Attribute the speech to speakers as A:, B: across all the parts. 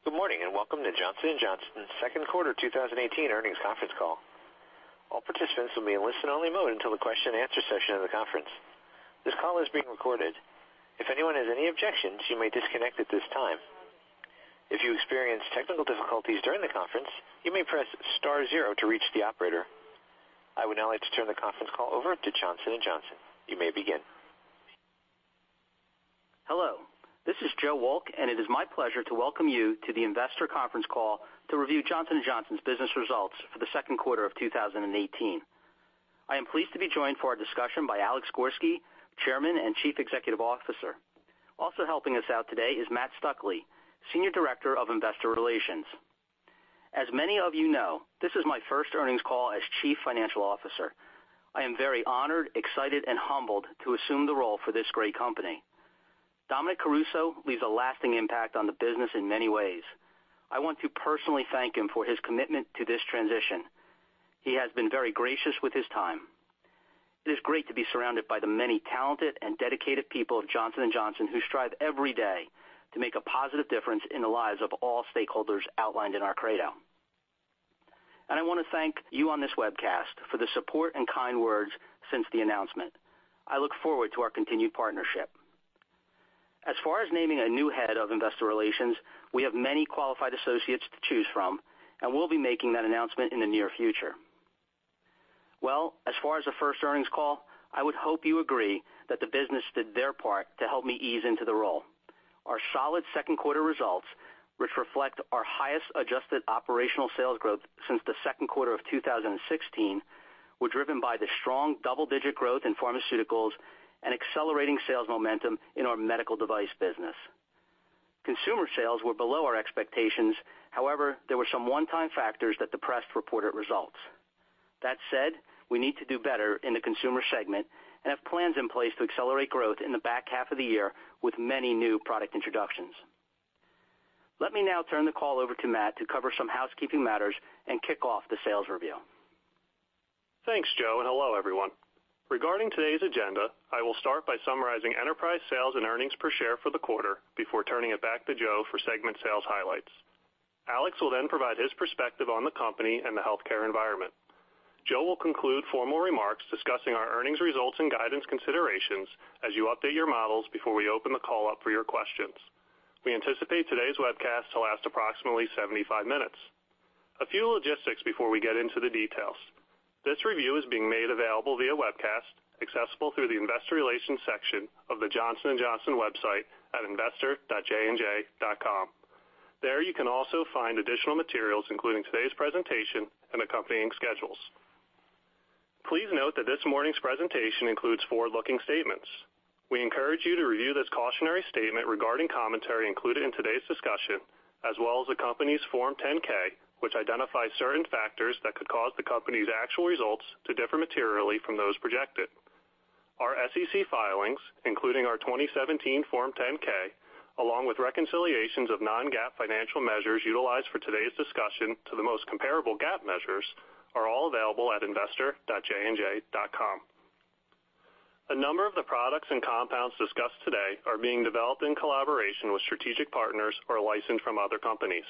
A: Good morning. Welcome to Johnson & Johnson's second quarter 2018 earnings conference call. All participants will be in listen-only mode until the question and answer session of the conference. This call is being recorded. If anyone has any objections, you may disconnect at this time. If you experience technical difficulties during the conference, you may press star zero to reach the operator. I would now like to turn the conference call over to Johnson & Johnson. You may begin.
B: Hello. This is Joe Wolk, and it is my pleasure to welcome you to the investor conference call to review Johnson & Johnson's business results for the second quarter of 2018. I am pleased to be joined for our discussion by Alex Gorsky, Chairman and Chief Executive Officer. Also helping us out today is Matt Stuckley, Senior Director of Investor Relations. As many of you know, this is my first earnings call as Chief Financial Officer. I am very honored, excited, and humbled to assume the role for this great company. Dominic Caruso leaves a lasting impact on the business in many ways. I want to personally thank him for his commitment to this transition. He has been very gracious with his time. It is great to be surrounded by the many talented and dedicated people of Johnson & Johnson who strive every day to make a positive difference in the lives of all stakeholders outlined in our Credo. I want to thank you on this webcast for the support and kind words since the announcement. I look forward to our continued partnership. As far as naming a new head of investor relations, we have many qualified associates to choose from, and we'll be making that announcement in the near future. As far as the first earnings call, I would hope you agree that the business did their part to help me ease into the role. Our solid second quarter results, which reflect our highest adjusted operational sales growth since the second quarter of 2016, were driven by the strong double-digit growth in pharmaceuticals and accelerating sales momentum in our medical device business. Consumer sales were below our expectations. However, there were some one-time factors that depressed reported results. That said, we need to do better in the consumer segment and have plans in place to accelerate growth in the back half of the year with many new product introductions. Let me now turn the call over to Matt to cover some housekeeping matters and kick off the sales review.
C: Thanks, Joe, and hello, everyone. Regarding today's agenda, I will start by summarizing enterprise sales and earnings per share for the quarter before turning it back to Joe for segment sales highlights. Alex will then provide his perspective on the company and the healthcare environment. Joe will conclude formal remarks discussing our earnings results and guidance considerations as you update your models before we open the call up for your questions. We anticipate today's webcast to last approximately 75 minutes. A few logistics before we get into the details. This review is being made available via webcast, accessible through the investor relations section of the Johnson & Johnson website at investor.jnj.com. There you can also find additional materials, including today's presentation and accompanying schedules. Please note that this morning's presentation includes forward-looking statements. We encourage you to review this cautionary statement regarding commentary included in today's discussion, as well as the company's Form 10-K, which identifies certain factors that could cause the company's actual results to differ materially from those projected. Our SEC filings, including our 2017 Form 10-K, along with reconciliations of non-GAAP financial measures utilized for today's discussion to the most comparable GAAP measures, are all available at investor.jnj.com. A number of the products and compounds discussed today are being developed in collaboration with strategic partners or licensed from other companies.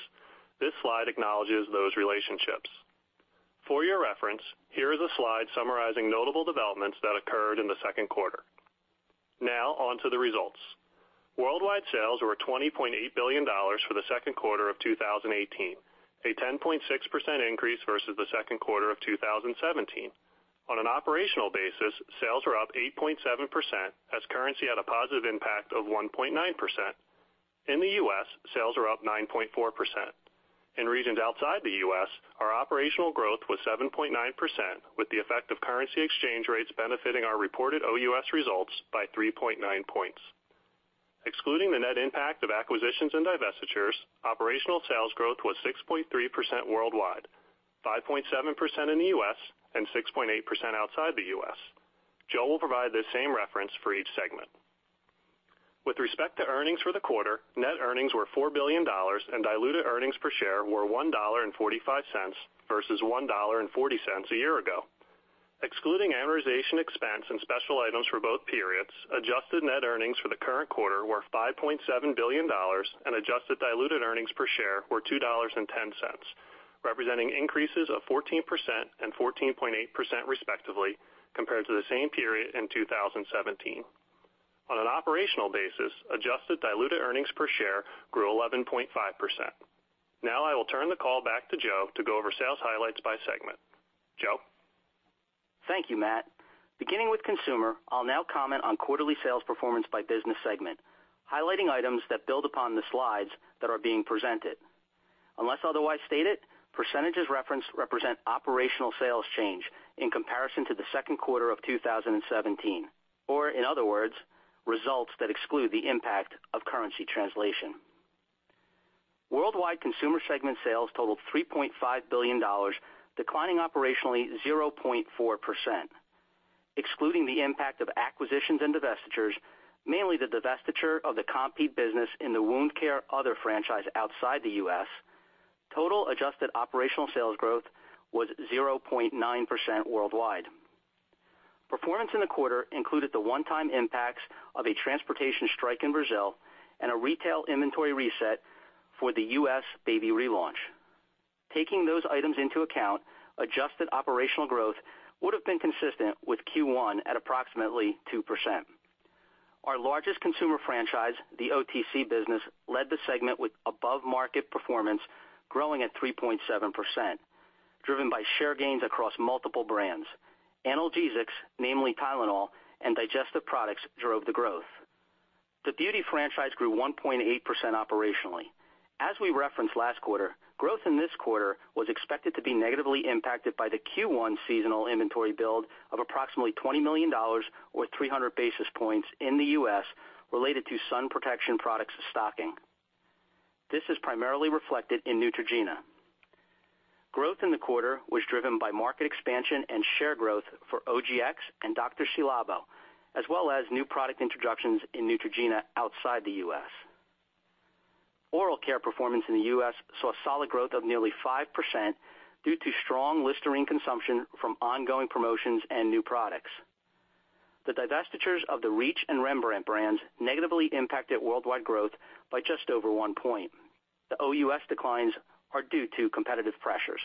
C: This slide acknowledges those relationships. For your reference, here is a slide summarizing notable developments that occurred in the second quarter. On to the results. Worldwide sales were $20.8 billion for the second quarter of 2018, a 10.6% increase versus the second quarter of 2017. On an operational basis, sales are up 8.7% as currency had a positive impact of 1.9%. In the U.S., sales are up 9.4%. In regions outside the U.S., our operational growth was 7.9% with the effect of currency exchange rates benefiting our reported OUS results by 3.9 points. Excluding the net impact of acquisitions and divestitures, operational sales growth was 6.3% worldwide, 5.7% in the U.S., and 6.8% outside the U.S. Joe will provide this same reference for each segment. With respect to earnings for the quarter, net earnings were $4 billion and diluted earnings per share were $1.45 versus $1.40 a year ago. Excluding amortization expense and special items for both periods, adjusted net earnings for the current quarter were $5.7 billion and adjusted diluted earnings per share were $2.10, representing increases of 14% and 14.8% respectively, compared to the same period in 2017. On an operational basis, adjusted diluted earnings per share grew 11.5%. I will turn the call back to Joe to go over sales highlights by segment. Joe?
B: Thank you, Matt. Beginning with Consumer segment, I will now comment on quarterly sales performance by business segment, highlighting items that build upon the slides that are being presented. Unless otherwise stated, percentages referenced represent operational sales change in comparison to the second quarter of 2017, or in other words, results that exclude the impact of currency translation. Worldwide Consumer segment sales totaled $3.5 billion, declining operationally 0.4%. Excluding the impact of acquisitions and divestitures, mainly the divestiture of the Compeed business in the Wound Care Other franchise outside the U.S., total adjusted operational sales growth was 0.9% worldwide. Performance in the quarter included the one-time impacts of a transportation strike in Brazil and a retail inventory reset for the U.S. Baby relaunch. Taking those items into account, adjusted operational growth would have been consistent with Q1 at approximately 2%. Our largest Consumer franchise, the OTC business, led the segment with above-market performance growing at 3.7%, driven by share gains across multiple brands. Analgesics, namely TYLENOL and digestive products, drove the growth. The Beauty franchise grew 1.8% operationally. As we referenced last quarter, growth in this quarter was expected to be negatively impacted by the Q1 seasonal inventory build of approximately $20 million or 300 basis points in the U.S. related to sun protection products stocking. This is primarily reflected in Neutrogena. Growth in the quarter was driven by market expansion and share growth for OGX and Dr.Ci:Labo, as well as new product introductions in Neutrogena outside the U.S. Oral care performance in the U.S. saw solid growth of nearly 5% due to strong Listerine consumption from ongoing promotions and new products. The divestitures of the Reach and Rembrandt brands negatively impacted worldwide growth by just over one point. The OUS declines are due to competitive pressures.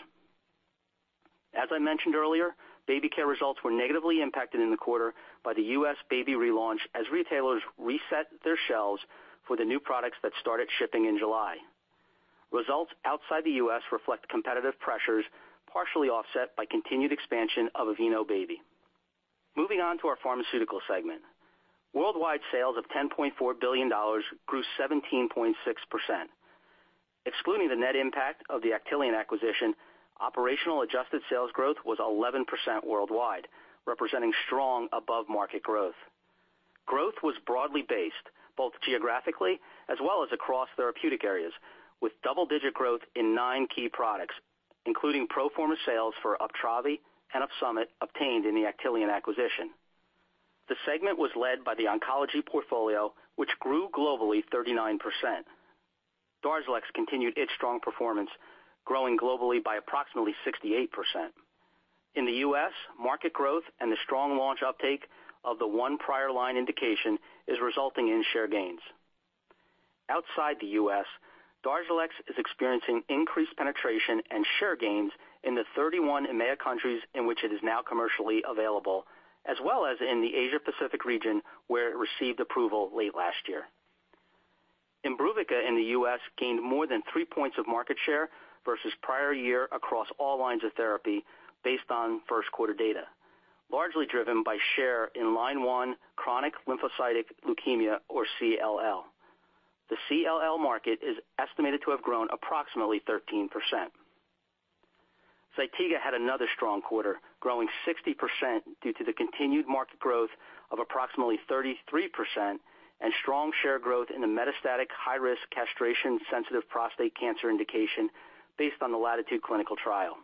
B: As I mentioned earlier, Baby Care results were negatively impacted in the quarter by the U.S. Baby relaunch as retailers reset their shelves for the new products that started shipping in July. Results outside the U.S. reflect competitive pressures, partially offset by continued expansion of Aveeno Baby. Moving on to our Pharmaceutical segment. Worldwide sales of $10.4 billion grew 17.6%. Excluding the net impact of the Actelion acquisition, operational adjusted sales growth was 11% worldwide, representing strong above-market growth. Growth was broadly based, both geographically as well as across therapeutic areas, with double-digit growth in nine key products, including pro forma sales for UPTRAVI and OPSUMIT obtained in the Actelion acquisition. The segment was led by the oncology portfolio, which grew globally 39%. DARZALEX continued its strong performance, growing globally by approximately 68%. In the U.S., market growth and the strong launch uptake of the one prior line indication is resulting in share gains. Outside the U.S., DARZALEX is experiencing increased penetration and share gains in the 31 EMEA countries in which it is now commercially available, as well as in the Asia Pacific region, where it received approval late last year. IMBRUVICA in the U.S. gained more than three points of market share versus prior year across all lines of therapy based on first quarter data, largely driven by share in line one chronic lymphocytic leukemia or CLL. The CLL market is estimated to have grown approximately 13%. ZYTIGA had another strong quarter, growing 60% due to the continued market growth of approximately 33% and strong share growth in the metastatic high-risk castration-sensitive prostate cancer indication based on the LATITUDE clinical trial.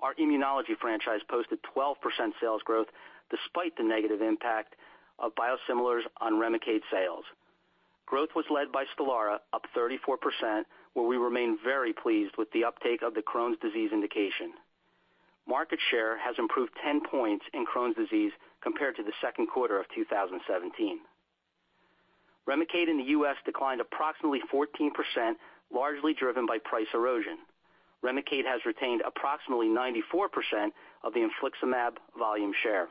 B: Our immunology franchise posted 12% sales growth despite the negative impact of biosimilars on REMICADE sales. Growth was led by STELARA, up 34%, where we remain very pleased with the uptake of the Crohn's disease indication. Market share has improved 10 points in Crohn's disease compared to the second quarter of 2017. REMICADE in the U.S. declined approximately 14%, largely driven by price erosion. REMICADE has retained approximately 94% of the infliximab volume share.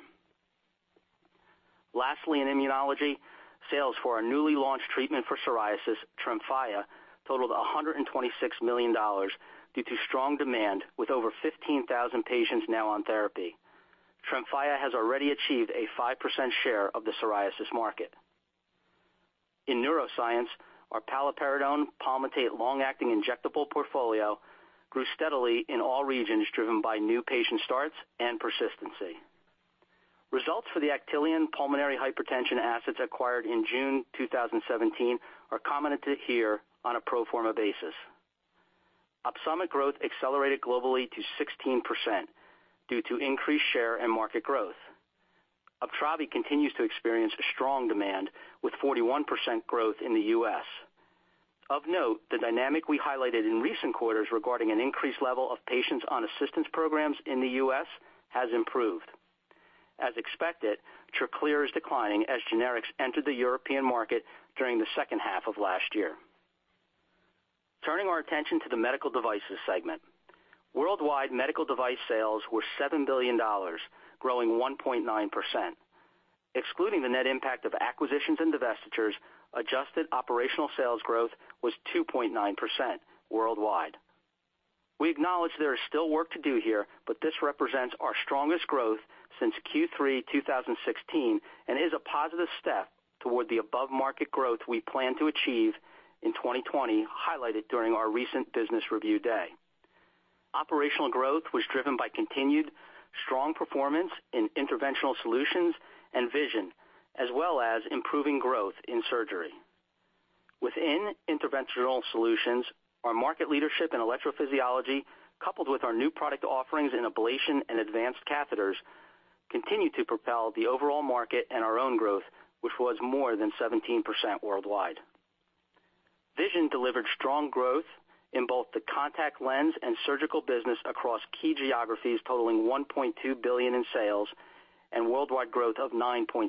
B: Lastly, in immunology, sales for our newly launched treatment for psoriasis, TREMFYA, totaled $126 million due to strong demand, with over 15,000 patients now on therapy. TREMFYA has already achieved a 5% share of the psoriasis market. In neuroscience, our paliperidone palmitate long-acting injectable portfolio grew steadily in all regions, driven by new patient starts and persistency. Results for the Actelion pulmonary hypertension assets acquired in June 2017 are commented here on a pro forma basis. OPSUMIT growth accelerated globally to 16% due to increased share and market growth. UPTRAVI continues to experience strong demand with 41% growth in the U.S. Of note, the dynamic we highlighted in recent quarters regarding an increased level of patients on assistance programs in the U.S. has improved. As expected, TRACLEER is declining as generics enter the European market during the second half of last year. Turning our attention to the Medical Devices segment. Worldwide Medical Device sales were $7 billion, growing 1.9%. Excluding the net impact of acquisitions and divestitures, adjusted operational sales growth was 2.9% worldwide. We acknowledge there is still work to do here, but this represents our strongest growth since Q3 2016 and is a positive step toward the above-market growth we plan to achieve in 2020, highlighted during our recent Business Review Day. Operational growth was driven by continued strong performance in Interventional Solutions and Vision, as well as improving growth in Surgery. Within Interventional Solutions, our market leadership in electrophysiology, coupled with our new product offerings in ablation and advanced catheters, continue to propel the overall market and our own growth, which was more than 17% worldwide. Vision delivered strong growth in both the contact lens and surgical business across key geographies totaling $1.2 billion in sales and worldwide growth of 9.6%.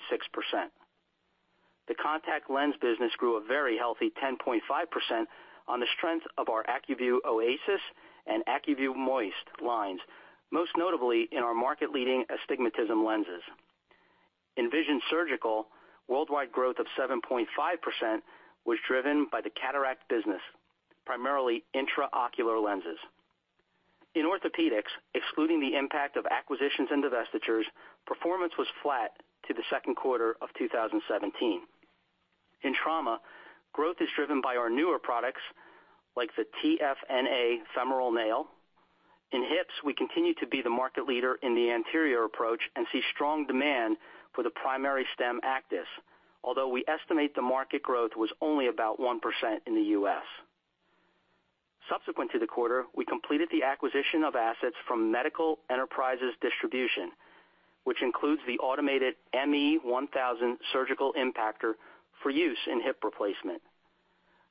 B: The contact lens business grew a very healthy 10.5% on the strength of our Acuvue Oasys and Acuvue Moist lines, most notably in our market-leading astigmatism lenses. In Vision Surgical, worldwide growth of 7.5% was driven by the cataract business, primarily intraocular lenses. In Orthopedics, excluding the impact of acquisitions and divestitures, performance was flat to the second quarter of 2017. In Trauma, growth is driven by our newer products, like the TFN-ADVANCED femoral nail. In Hips, we continue to be the market leader in the anterior approach and see strong demand for the ACTIS, although we estimate the market growth was only about 1% in the U.S. Subsequent to the quarter, we completed the acquisition of assets from Medical Enterprises Distribution, LLC, which includes the automated ME1000 surgical impactor for use in hip replacement.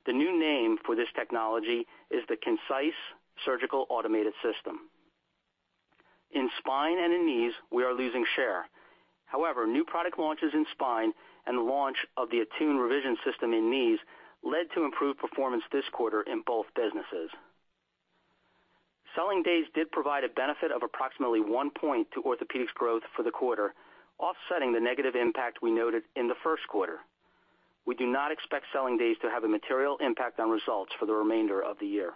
B: The new name for this technology is the KINCISE Surgical Automated System. In Spine and in Knees, we are losing share. However, new product launches in Spine and the launch of the ATTUNE Revision Knee System in Knees led to improved performance this quarter in both businesses. Selling days did provide a benefit of approximately one point to Orthopedics growth for the quarter, offsetting the negative impact we noted in the first quarter. We do not expect selling days to have a material impact on results for the remainder of the year.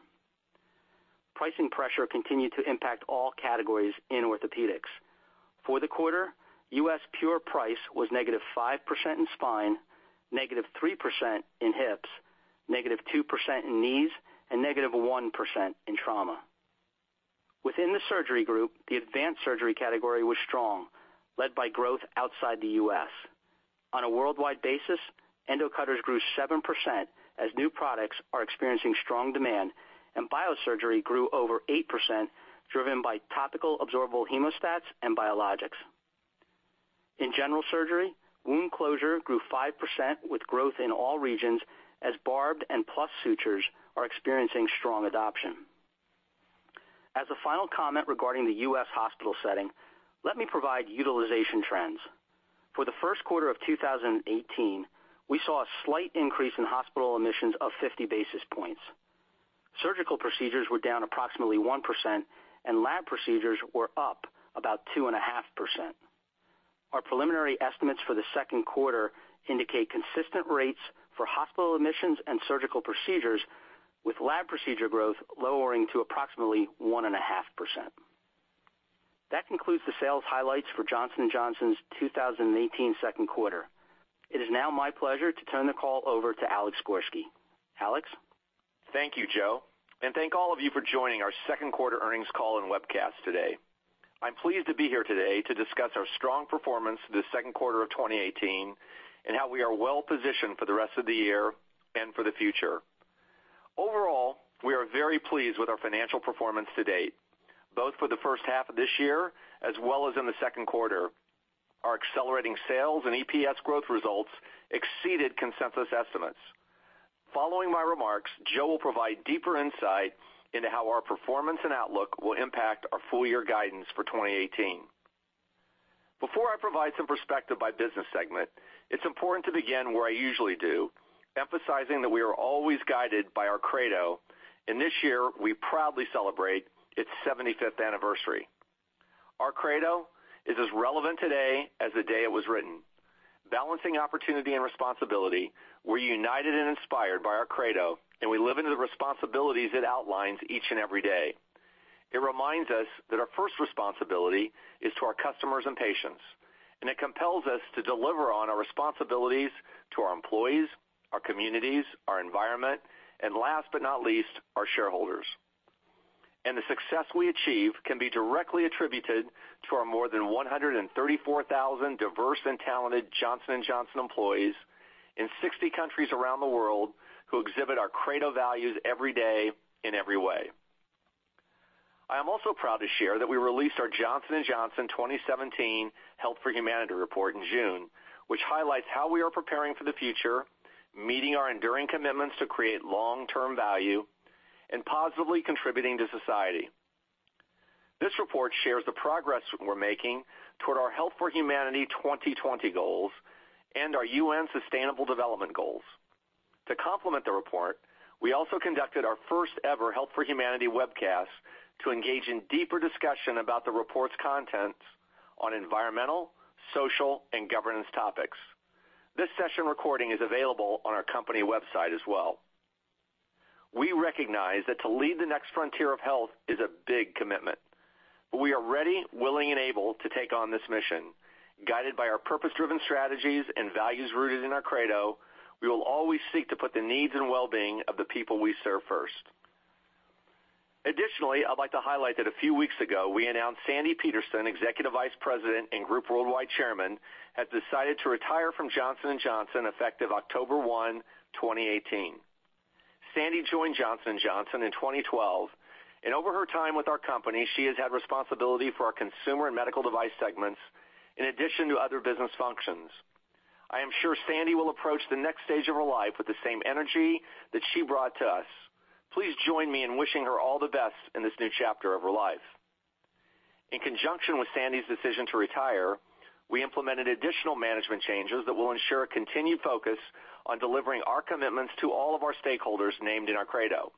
B: Pricing pressure continued to impact all categories in orthopedics. For the quarter, U.S. pure price was -5% in spine, -3% in hips, -2% in knees, and -1% in trauma. Within the surgery group, the advanced surgery category was strong, led by growth outside the U.S. On a worldwide basis, endo cutters grew 7% as new products are experiencing strong demand, and biosurgery grew over 8%, driven by topical absorbable hemostats and biologics. In general surgery, wound closure grew 5% with growth in all regions as barbed and plus sutures are experiencing strong adoption. As a final comment regarding the U.S. hospital setting, let me provide utilization trends. For the first quarter of 2018, we saw a slight increase in hospital admissions of 50 basis points. Surgical procedures were down approximately 1%, and lab procedures were up about 2.5%. Our preliminary estimates for the second quarter indicate consistent rates for hospital admissions and surgical procedures, with lab procedure growth lowering to approximately 1.5%. That concludes the sales highlights for Johnson & Johnson's 2018 second quarter. It is now my pleasure to turn the call over to Alex Gorsky. Alex?
D: Thank you, Joe, and thank all of you for joining our second quarter earnings call and webcast today. I'm pleased to be here today to discuss our strong performance this second quarter of 2018 and how we are well-positioned for the rest of the year and for the future. Overall, we are very pleased with our financial performance to date, both for the first half of this year as well as in the second quarter. Our accelerating sales and EPS growth results exceeded consensus estimates. Following my remarks, Joe will provide deeper insight into how our performance and outlook will impact our full-year guidance for 2018. Before I provide some perspective by business segment, it's important to begin where I usually do, emphasizing that we are always guided by Our Credo, and this year, we proudly celebrate its 75th anniversary. Our Credo is as relevant today as the day it was written. Balancing opportunity and responsibility, we're united and inspired by Our Credo, and we live into the responsibilities it outlines each and every day. It reminds us that our first responsibility is to our customers and patients, and it compels us to deliver on our responsibilities to our employees, our communities, our environment, and last but not least, our shareholders. The success we achieve can be directly attributed to our more than 134,000 diverse and talented Johnson & Johnson employees in 60 countries around the world who exhibit Our Credo values every day in every way. I am also proud to share that we released our Johnson & Johnson 2017 Health for Humanity report in June, which highlights how we are preparing for the future, meeting our enduring commitments to create long-term value, and positively contributing to society. This report shares the progress we're making toward our Health for Humanity 2020 goals and our UN Sustainable Development Goals. To complement the report, we also conducted our first ever Health for Humanity webcast to engage in deeper discussion about the report's contents on environmental, social, and governance topics. This session recording is available on our company website as well. We recognize that to lead the next frontier of health is a big commitment, but we are ready, willing, and able to take on this mission. Guided by our purpose-driven strategies and values rooted in our credo, we will always seek to put the needs and well-being of the people we serve first. I'd like to highlight that a few weeks ago, we announced Sandy Peterson, Executive Vice President and Group Worldwide Chairman, has decided to retire from Johnson & Johnson effective October 1, 2018. Sandy joined Johnson & Johnson in 2012, over her time with our company, she has had responsibility for our Consumer and Medical Devices segments, in addition to other business functions. I am sure Sandy will approach the next stage of her life with the same energy that she brought to us. Please join me in wishing her all the best in this new chapter of her life. In conjunction with Sandy's decision to retire, we implemented additional management changes that will ensure a continued focus on delivering our commitments to all of our stakeholders named in our credo.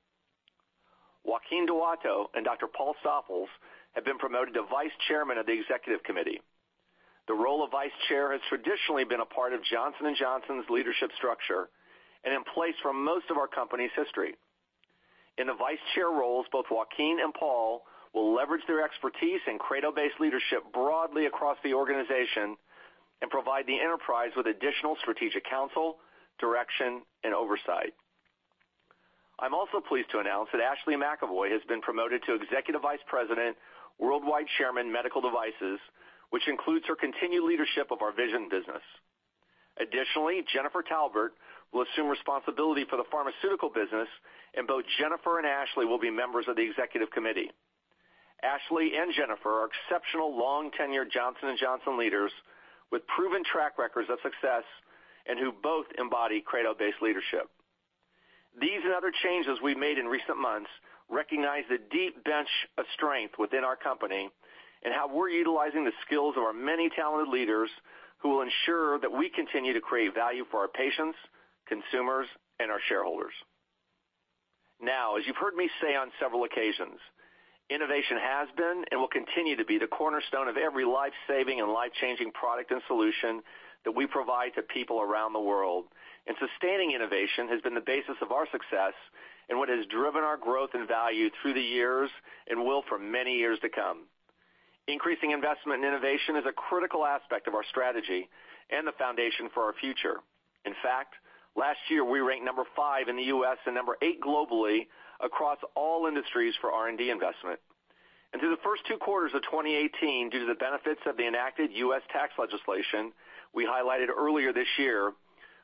D: Joaquin Duato and Dr. Paul Stoffels have been promoted to Vice Chairman of the Executive Committee. The role of Vice Chair has traditionally been a part of Johnson & Johnson's leadership structure and in place for most of our company's history. In the Vice Chair roles, both Joaquin and Paul will leverage their expertise in credo-based leadership broadly across the organization and provide the enterprise with additional strategic counsel, direction, and oversight. I'm also pleased to announce that Ashley McEvoy has been promoted to Executive Vice President, Worldwide Chairman, Medical Devices, which includes her continued leadership of our vision business. Jennifer Taubert will assume responsibility for the Pharmaceutical business, and both Jennifer and Ashley will be members of the Executive Committee. Ashley and Jennifer are exceptional, long-tenured Johnson & Johnson leaders with proven track records of success and who both embody credo-based leadership. These other changes we've made in recent months recognize the deep bench of strength within our company and how we're utilizing the skills of our many talented leaders who will ensure that we continue to create value for our patients, consumers, and our shareholders. As you've heard me say on several occasions, innovation has been and will continue to be the cornerstone of every life-saving and life-changing product and solution that we provide to people around the world. Sustaining innovation has been the basis of our success and what has driven our growth and value through the years and will for many years to come. Increasing investment in innovation is a critical aspect of our strategy and the foundation for our future. In fact, last year, we ranked number 5 in the U.S. and number 8 globally across all industries for R&D investment. Through the first two quarters of 2018, due to the benefits of the enacted U.S. tax legislation we highlighted earlier this year,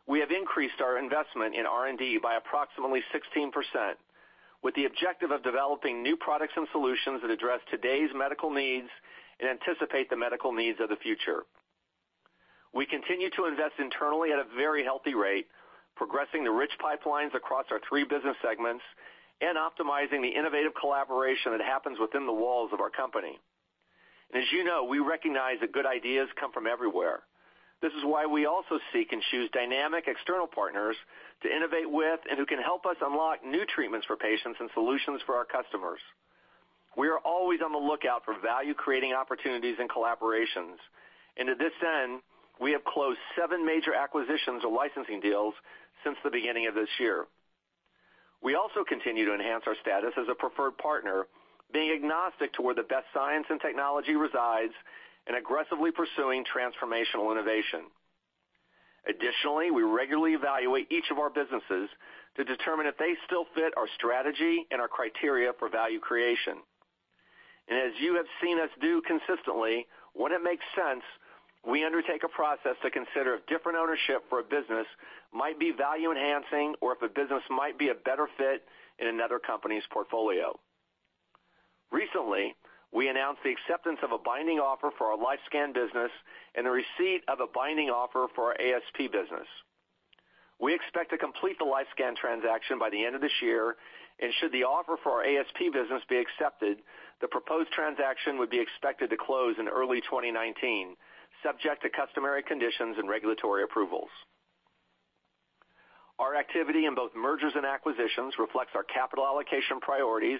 D: we have increased our investment in R&D by approximately 16%, with the objective of developing new products and solutions that address today's medical needs and anticipate the medical needs of the future. We continue to invest internally at a very healthy rate, progressing the rich pipelines across our three business segments and optimizing the innovative collaboration that happens within the walls of our company. As you know, we recognize that good ideas come from everywhere. This is why we also seek and choose dynamic external partners to innovate with and who can help us unlock new treatments for patients and solutions for our customers. We are always on the lookout for value-creating opportunities and collaborations. To this end, we have closed seven major acquisitions or licensing deals since the beginning of this year. We also continue to enhance our status as a preferred partner, being agnostic to where the best science and technology resides and aggressively pursuing transformational innovation. Additionally, we regularly evaluate each of our businesses to determine if they still fit our strategy and our criteria for value creation. As you have seen us do consistently, when it makes sense, we undertake a process to consider if different ownership for a business might be value-enhancing or if a business might be a better fit in another company's portfolio. Recently, we announced the acceptance of a binding offer for our LifeScan business and the receipt of a binding offer for our ASP business. We expect to complete the LifeScan transaction by the end of this year, should the offer for our ASP business be accepted, the proposed transaction would be expected to close in early 2019, subject to customary conditions and regulatory approvals. Our activity in both mergers and acquisitions reflects our capital allocation priorities,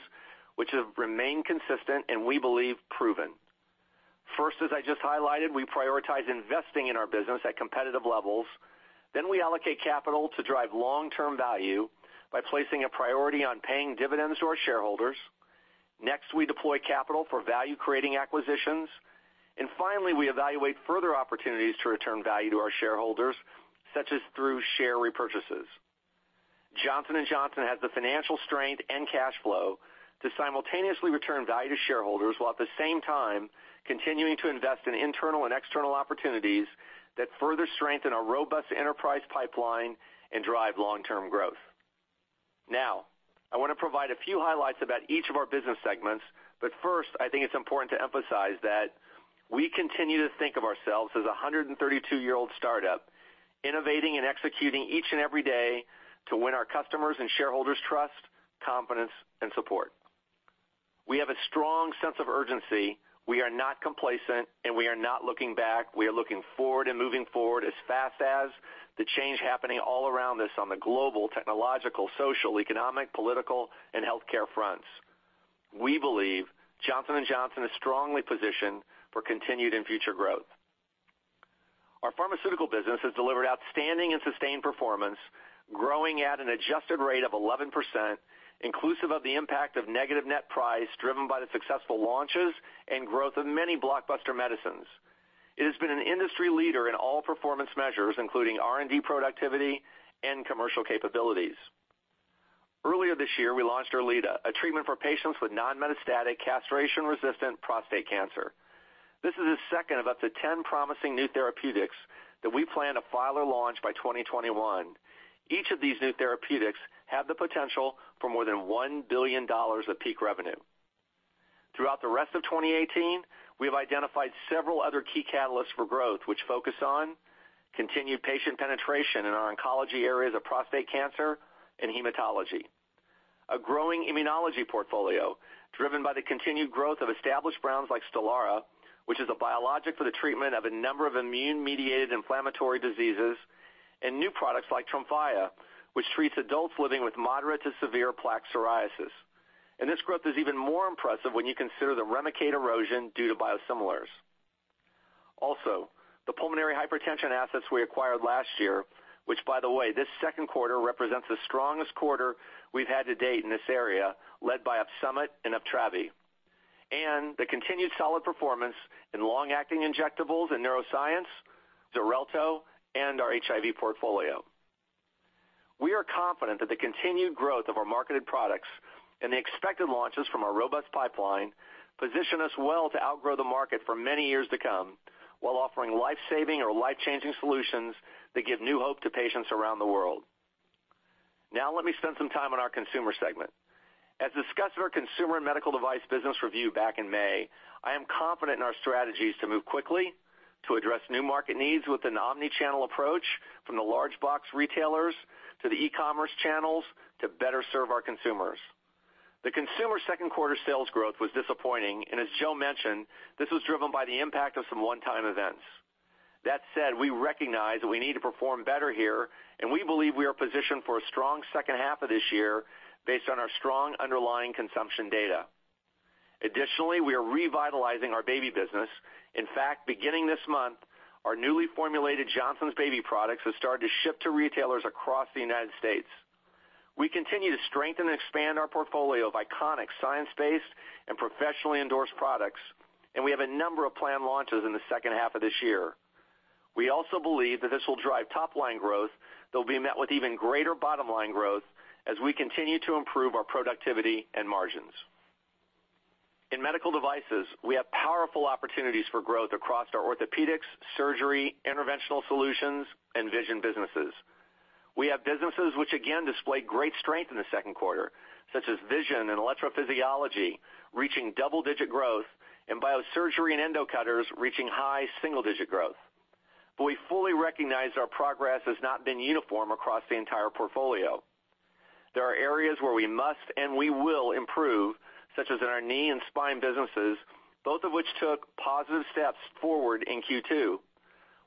D: which have remained consistent and, we believe, proven. First, as I just highlighted, we prioritize investing in our business at competitive levels. We allocate capital to drive long-term value by placing a priority on paying dividends to our shareholders. Next, we deploy capital for value-creating acquisitions. Finally, we evaluate further opportunities to return value to our shareholders, such as through share repurchases. Johnson & Johnson has the financial strength and cash flow to simultaneously return value to shareholders, while at the same time continuing to invest in internal and external opportunities that further strengthen our robust enterprise pipeline and drive long-term growth. Now, I want to provide a few highlights about each of our business segments. First, I think it's important to emphasize that we continue to think of ourselves as a 132-year-old startup, innovating and executing each and every day to win our customers' and shareholders' trust, confidence, and support. We have a strong sense of urgency. We are not complacent, and we are not looking back. We are looking forward and moving forward as fast as the change happening all around us on the global, technological, social, economic, political, and healthcare fronts. We believe Johnson & Johnson is strongly positioned for continued and future growth. Our pharmaceutical business has delivered outstanding and sustained performance, growing at an adjusted rate of 11%, inclusive of the impact of negative net price, driven by the successful launches and growth of many blockbuster medicines. It has been an industry leader in all performance measures, including R&D productivity and commercial capabilities. Earlier this year, we launched ERLEADA, a treatment for patients with non-metastatic castration-resistant prostate cancer. This is the second of up to 10 promising new therapeutics that we plan to file or launch by 2021. Each of these new therapeutics have the potential for more than $1 billion of peak revenue. Throughout the rest of 2018, we have identified several other key catalysts for growth, which focus on continued patient penetration in our oncology areas of prostate cancer and hematology. A growing immunology portfolio driven by the continued growth of established brands like STELARA, which is a biologic for the treatment of a number of immune-mediated inflammatory diseases, and new products like TREMFYA, which treats adults living with moderate to severe plaque psoriasis. This growth is even more impressive when you consider the REMICADE erosion due to biosimilars. Also, the pulmonary hypertension assets we acquired last year, which by the way, this second quarter represents the strongest quarter we've had to date in this area, led by OPSUMIT and UPTRAVI, and the continued solid performance in long-acting injectables in neuroscience, XARELTO, and our HIV portfolio. We are confident that the continued growth of our marketed products and the expected launches from our robust pipeline position us well to outgrow the market for many years to come, while offering life-saving or life-changing solutions that give new hope to patients around the world. Now let me spend some time on our consumer segment. As discussed in our consumer and medical device business review back in May, I am confident in our strategies to move quickly to address new market needs with an omni-channel approach from the large box retailers to the e-commerce channels to better serve our consumers. The consumer second quarter sales growth was disappointing. As Joe mentioned, this was driven by the impact of some one-time events. That said, we recognize that we need to perform better here. We believe we are positioned for a strong second half of this year based on our strong underlying consumption data. Additionally, we are revitalizing our baby business. In fact, beginning this month, our newly formulated JOHNSON'S baby products have started to ship to retailers across the United States. We continue to strengthen and expand our portfolio of iconic science-based and professionally endorsed products. We have a number of planned launches in the second half of this year. We also believe that this will drive top-line growth that will be met with even greater bottom-line growth as we continue to improve our productivity and margins. In medical devices, we have powerful opportunities for growth across our orthopedics, surgery, interventional solutions, and vision businesses. We have businesses which again display great strength in the second quarter, such as vision and electrophysiology reaching double-digit growth and biosurgery and endocutters reaching high single-digit growth. We fully recognize our progress has not been uniform across the entire portfolio. There are areas where we must and we will improve, such as in our knee and spine businesses, both of which took positive steps forward in Q2.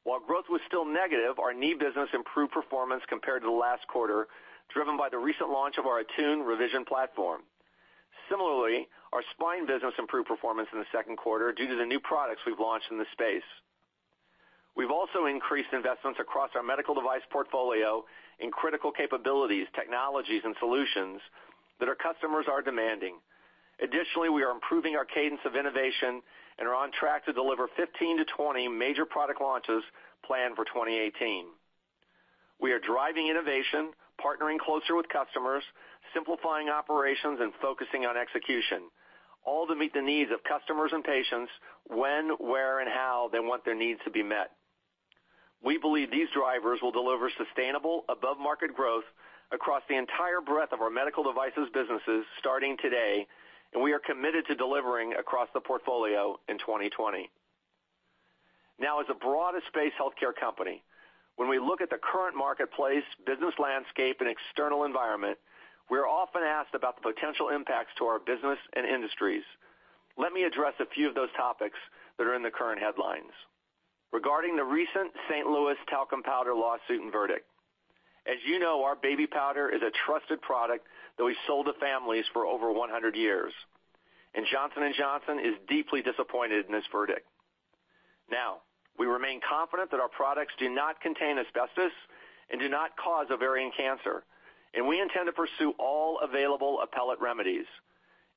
D: While growth was still negative, our knee business improved performance compared to last quarter, driven by the recent launch of our ATTUNE Revision Knee System. Similarly, our spine business improved performance in the second quarter due to the new products we've launched in this space. We've also increased investments across our medical device portfolio in critical capabilities, technologies, and solutions that our customers are demanding. Additionally, we are improving our cadence of innovation and are on track to deliver 15-20 major product launches planned for 2018. We are driving innovation, partnering closer with customers, simplifying operations, and focusing on execution, all to meet the needs of customers and patients when, where, and how they want their needs to be met. We believe these drivers will deliver sustainable above-market growth across the entire breadth of our medical devices businesses starting today, and we are committed to delivering across the portfolio in 2020. As a broad-based healthcare company, when we look at the current marketplace, business landscape, and external environment, we are often asked about the potential impacts to our business and industries. Let me address a few of those topics that are in the current headlines. Regarding the recent St. Louis talcum powder lawsuit and verdict. As you know, our baby powder is a trusted product that we've sold to families for over 100 years. Johnson & Johnson is deeply disappointed in this verdict. We remain confident that our products do not contain asbestos and do not cause ovarian cancer, and we intend to pursue all available appellate remedies.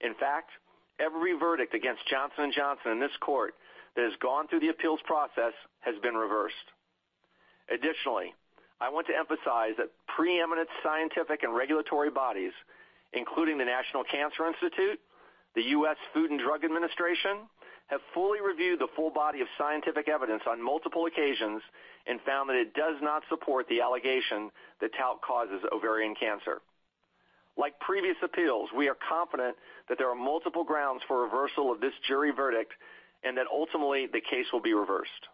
D: In fact, every verdict against Johnson & Johnson in this court that has gone through the appeals process has been reversed. Additionally, I want to emphasize that preeminent scientific and regulatory bodies, including the National Cancer Institute, the U.S. Food and Drug Administration, have fully reviewed the full body of scientific evidence on multiple occasions and found that it does not support the allegation that talc causes ovarian cancer. Like previous appeals, we are confident that there are multiple grounds for reversal of this jury verdict and that ultimately the case will be reversed.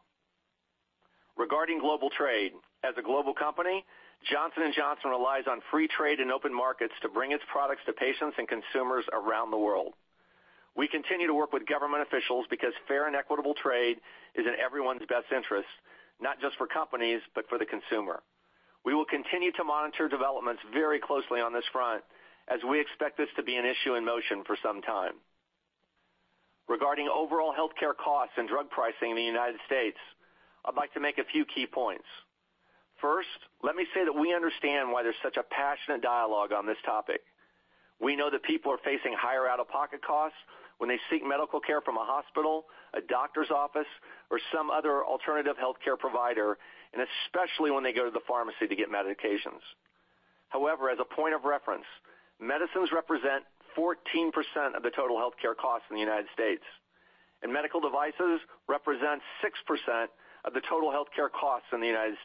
D: Regarding global trade, as a global company, Johnson & Johnson relies on free trade and open markets to bring its products to patients and consumers around the world. We continue to work with government officials because fair and equitable trade is in everyone's best interest, not just for companies, but for the consumer. We will continue to monitor developments very closely on this front, as we expect this to be an issue in motion for some time. Regarding overall healthcare costs and drug pricing in the United States, I'd like to make a few key points. First, let me say that we understand why there's such a passionate dialogue on this topic. We know that people are facing higher out-of-pocket costs when they seek medical care from a hospital, a doctor's office, or some other alternative healthcare provider, and especially when they go to the pharmacy to get medications. However, as a point of reference, medicines represent 14% of the total healthcare costs in the U.S. And medical devices represent 6% of the total healthcare costs in the U.S.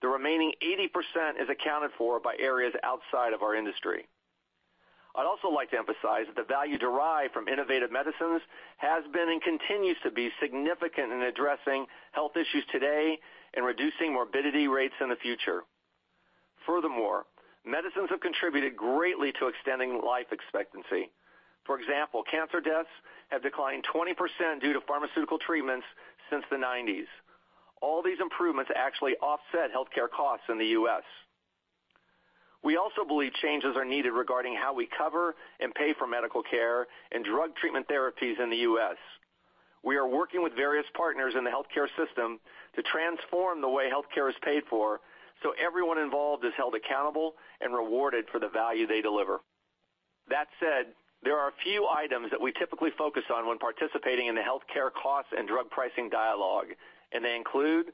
D: The remaining 80% is accounted for by areas outside of our industry. I'd also like to emphasize that the value derived from innovative medicines has been and continues to be significant in addressing health issues today and reducing morbidity rates in the future. Furthermore, medicines have contributed greatly to extending life expectancy. For example, cancer deaths have declined 20% due to pharmaceutical treatments since the 1990s. All these improvements actually offset healthcare costs in the U.S. We also believe changes are needed regarding how we cover and pay for medical care and drug treatment therapies in the U.S. We are working with various partners in the healthcare system to transform the way healthcare is paid for so everyone involved is held accountable and rewarded for the value they deliver. That said, there are a few items that we typically focus on when participating in the healthcare cost and drug pricing dialogue, and they include,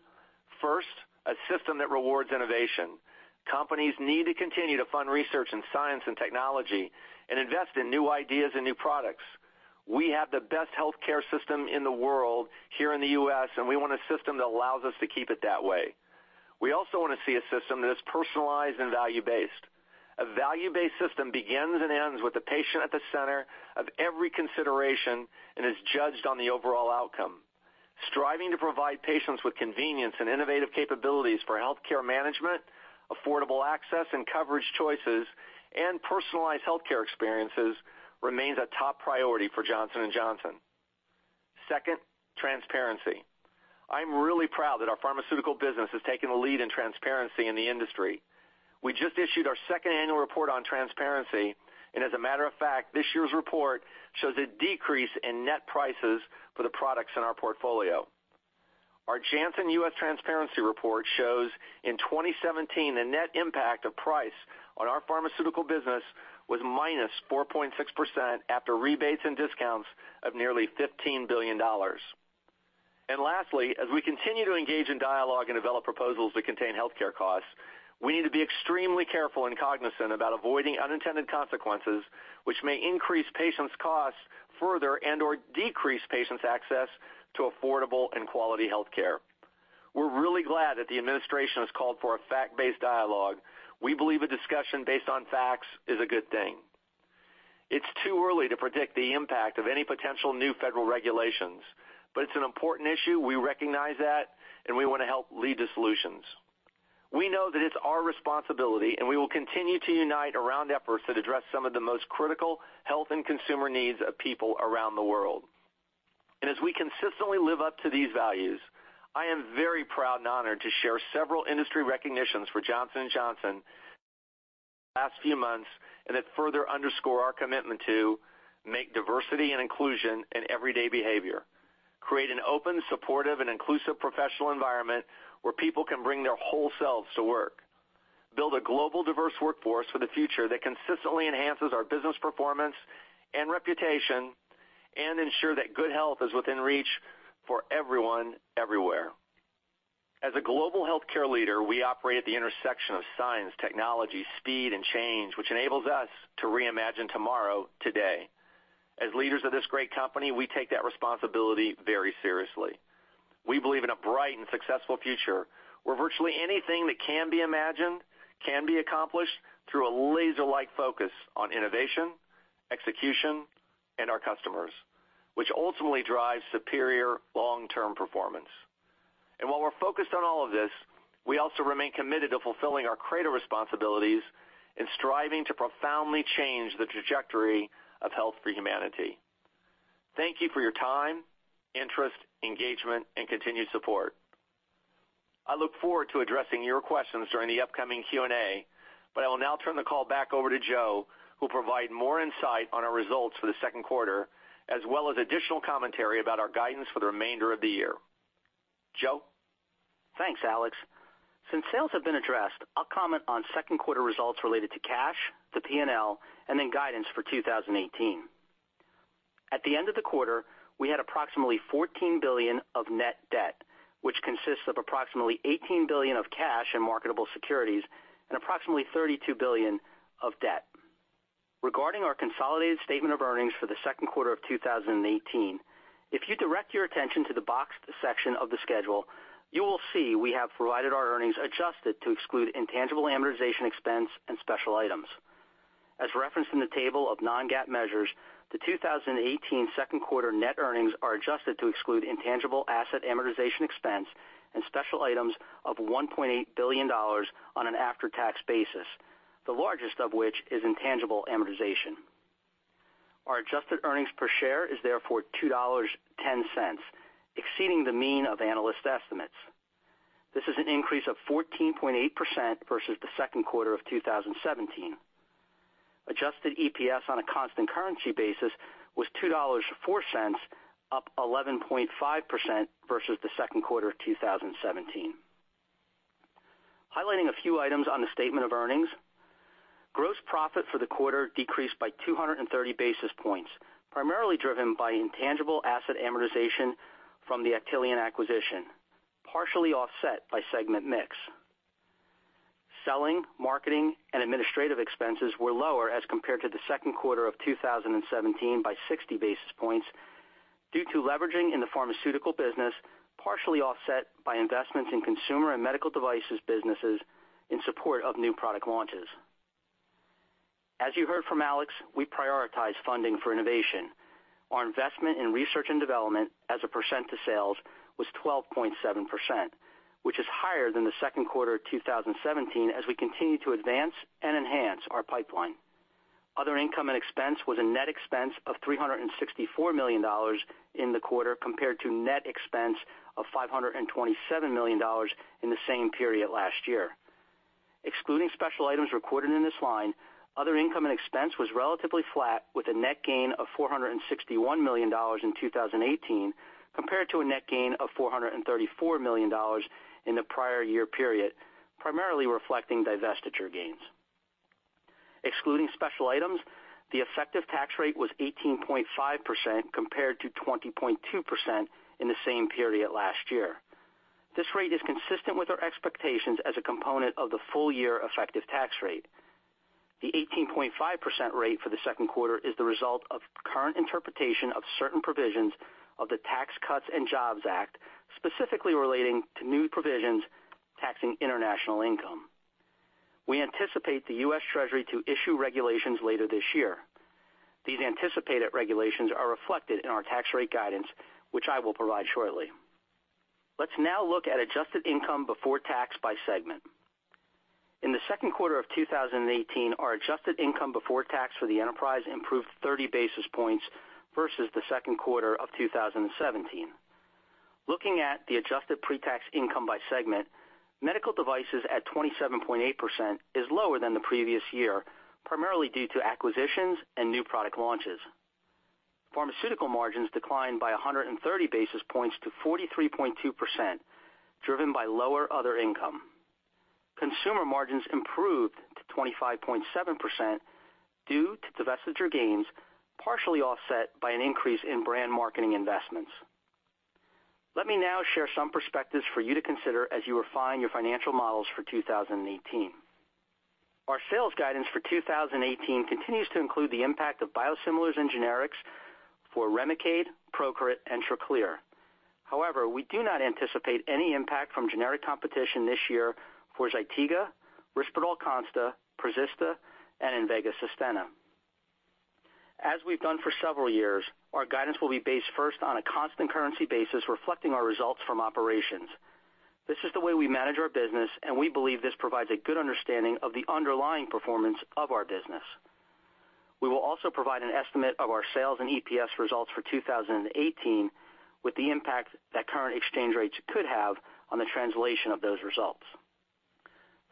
D: first, a system that rewards innovation. Companies need to continue to fund research in science and technology and invest in new ideas and new products. We have the best healthcare system in the world here in the U.S., and we want a system that allows us to keep it that way. We also want to see a system that is personalized and value-based. A value-based system begins and ends with the patient at the center of every consideration and is judged on the overall outcome. Striving to provide patients with convenience and innovative capabilities for healthcare management, affordable access and coverage choices, and personalized healthcare experiences remains a top priority for Johnson & Johnson. Second, transparency. I'm really proud that our pharmaceutical business has taken a lead in transparency in the industry. We just issued our second annual report on transparency, and as a matter of fact, this year's report shows a decrease in net prices for the products in our portfolio. Our Janssen U.S. transparency report shows in 2017, the net impact of price on our pharmaceutical business was -4.6% after rebates and discounts of nearly $15 billion. Lastly, as we continue to engage in dialogue and develop proposals that contain healthcare costs, we need to be extremely careful and cognizant about avoiding unintended consequences which may increase patients' costs further and/or decrease patients' access to affordable and quality healthcare. We're really glad that the administration has called for a fact-based dialogue. We believe a discussion based on facts is a good thing. It's too early to predict the impact of any potential new federal regulations, but it's an important issue, we recognize that, and we want to help lead to solutions. We know that it's our responsibility, and we will continue to unite around efforts that address some of the most critical health and consumer needs of people around the world. As we consistently live up to these values, I am very proud and honored to share several industry recognitions for Johnson & Johnson in the last few months and that further underscore our commitment to make diversity and inclusion an everyday behavior, create an open, supportive, and inclusive professional environment where people can bring their whole selves to work, build a global, diverse workforce for the future that consistently enhances our business performance and reputation, and ensure that good health is within reach for everyone, everywhere. As a global healthcare leader, we operate at the intersection of science, technology, speed, and change, which enables us to reimagine tomorrow, today. As leaders of this great company, we take that responsibility very seriously. We believe in a bright and successful future where virtually anything that can be imagined can be accomplished through a laser-like focus on innovation, execution, and our customers, which ultimately drives superior long-term performance. While we're focused on all of this, we also remain committed to fulfilling our Credo responsibilities and striving to profoundly change the trajectory of Health for Humanity. Thank you for your time, interest, engagement, and continued support. I look forward to addressing your questions during the upcoming Q&A, but I will now turn the call back over to Joe, who'll provide more insight on our results for the second quarter, as well as additional commentary about our guidance for the remainder of the year. Joe?
B: Thanks, Alex. Since sales have been addressed, I'll comment on second quarter results related to cash, the P&L, and then guidance for 2018. At the end of the quarter, we had approximately $14 billion of net debt, which consists of approximately $18 billion of cash and marketable securities and approximately $32 billion of debt. Regarding our consolidated statement of earnings for the second quarter of 2018, if you direct your attention to the boxed section of the schedule, you will see we have provided our earnings adjusted to exclude intangible amortization expense and special items. As referenced in the table of non-GAAP measures, the 2018 second quarter net earnings are adjusted to exclude intangible asset amortization expense and special items of $1.8 billion on an after-tax basis, the largest of which is intangible amortization. Our adjusted earnings per share is therefore $2.10, exceeding the mean of analyst estimates. This is an increase of 14.8% versus the second quarter of 2017. Adjusted EPS on a constant currency basis was $2.04, up 11.5% versus the second quarter of 2017. Highlighting a few items on the statement of earnings. Gross profit for the quarter decreased by 230 basis points, primarily driven by intangible asset amortization from the Actelion acquisition, partially offset by segment mix. Selling, marketing, and administrative expenses were lower as compared to the second quarter of 2017 by 60 basis points due to leveraging in the pharmaceutical business, partially offset by investments in consumer and medical devices businesses in support of new product launches. As you heard from Alex, we prioritize funding for innovation. Our investment in R&D as a percent to sales was 12.7%, which is higher than the second quarter 2017 as we continue to advance and enhance our pipeline. Other income and expense was a net expense of $364 million in the quarter, compared to net expense of $527 million in the same period last year. Excluding special items recorded in this line, other income and expense was relatively flat with a net gain of $461 million in 2018, compared to a net gain of $434 million in the prior year period, primarily reflecting divestiture gains. Excluding special items, the effective tax rate was 18.5% compared to 20.2% in the same period last year. This rate is consistent with our expectations as a component of the full year effective tax rate. The 18.5% rate for the second quarter is the result of current interpretation of certain provisions of the Tax Cuts and Jobs Act, specifically relating to new provisions taxing international income. We anticipate the U.S. Treasury to issue regulations later this year. These anticipated regulations are reflected in our tax rate guidance, which I will provide shortly. Let's now look at adjusted income before tax by segment. In the second quarter of 2018, our adjusted income before tax for the enterprise improved 30 basis points versus the second quarter of 2017. Looking at the adjusted pre-tax income by segment, Medical Devices at 27.8% is lower than the previous year, primarily due to acquisitions and new product launches. Pharmaceutical margins declined by 130 basis points to 43.2%, driven by lower other income. Consumer margins improved to 25.7% due to divestiture gains, partially offset by an increase in brand marketing investments. Let me now share some perspectives for you to consider as you refine your financial models for 2018. Our sales guidance for 2018 continues to include the impact of biosimilars and generics for REMICADE, PROCRIT, and TRACLEER. However, we do not anticipate any impact from generic competition this year for ZYTIGA, RISPERDAL CONSTA, PREZISTA, and INVEGA SUSTENNA. As we've done for several years, our guidance will be based first on a constant currency basis reflecting our results from operations. This is the way we manage our business, and we believe this provides a good understanding of the underlying performance of our business. We will also provide an estimate of our sales and EPS results for 2018 with the impact that current exchange rates could have on the translation of those results.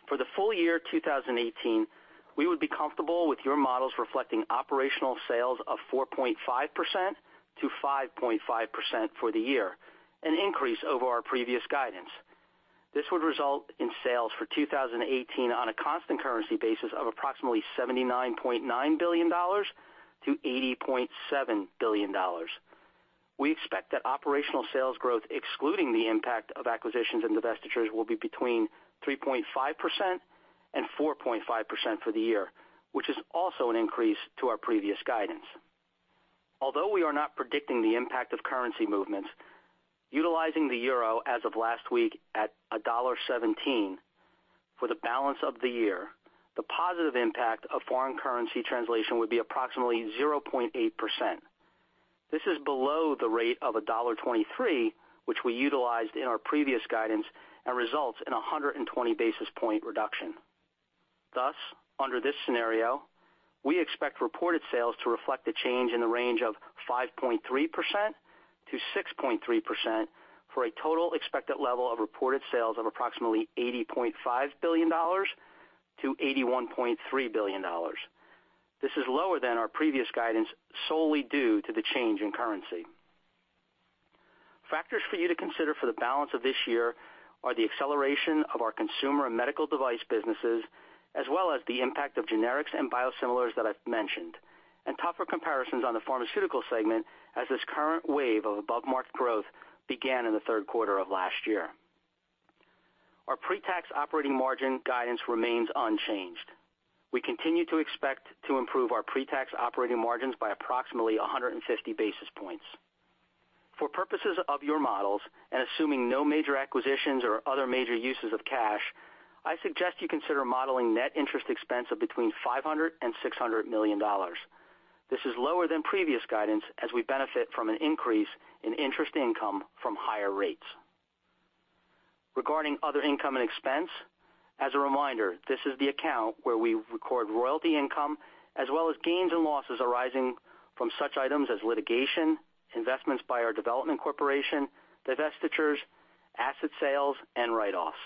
B: For the full year 2018, we would be comfortable with your models reflecting operational sales of 4.5%-5.5% for the year, an increase over our previous guidance. This would result in sales for 2018 on a constant currency basis of approximately $79.9 billion-$80.7 billion. We expect that operational sales growth, excluding the impact of acquisitions and divestitures, will be between 3.5% and 4.5% for the year, which is also an increase to our previous guidance. Although we are not predicting the impact of currency movements, utilizing the euro as of last week at $1.17 for the balance of the year, the positive impact of foreign currency translation would be approximately 0.8%. This is below the rate of $1.23, which we utilized in our previous guidance and results in 120 basis point reduction. Thus, under this scenario, we expect reported sales to reflect a change in the range of 5.3%-6.3% for a total expected level of reported sales of approximately $80.5 billion-$81.3 billion. This is lower than our previous guidance solely due to the change in currency. Factors for you to consider for the balance of this year are the acceleration of our Consumer and medical device businesses, as well as the impact of generics and biosimilars that I've mentioned, and tougher comparisons on the Pharmaceuticals segment as this current wave of above-market growth began in the third quarter of last year. Our pre-tax operating margin guidance remains unchanged. We continue to expect to improve our pre-tax operating margins by approximately 150 basis points. For purposes of your models and assuming no major acquisitions or other major uses of cash, I suggest you consider modeling net interest expense of between $500 million and $600 million. This is lower than previous guidance as we benefit from an increase in interest income from higher rates. Regarding other income and expense, as a reminder, this is the account where we record royalty income as well as gains and losses arising from such items as litigation, investments by our development corporation, divestitures, asset sales, and write-offs.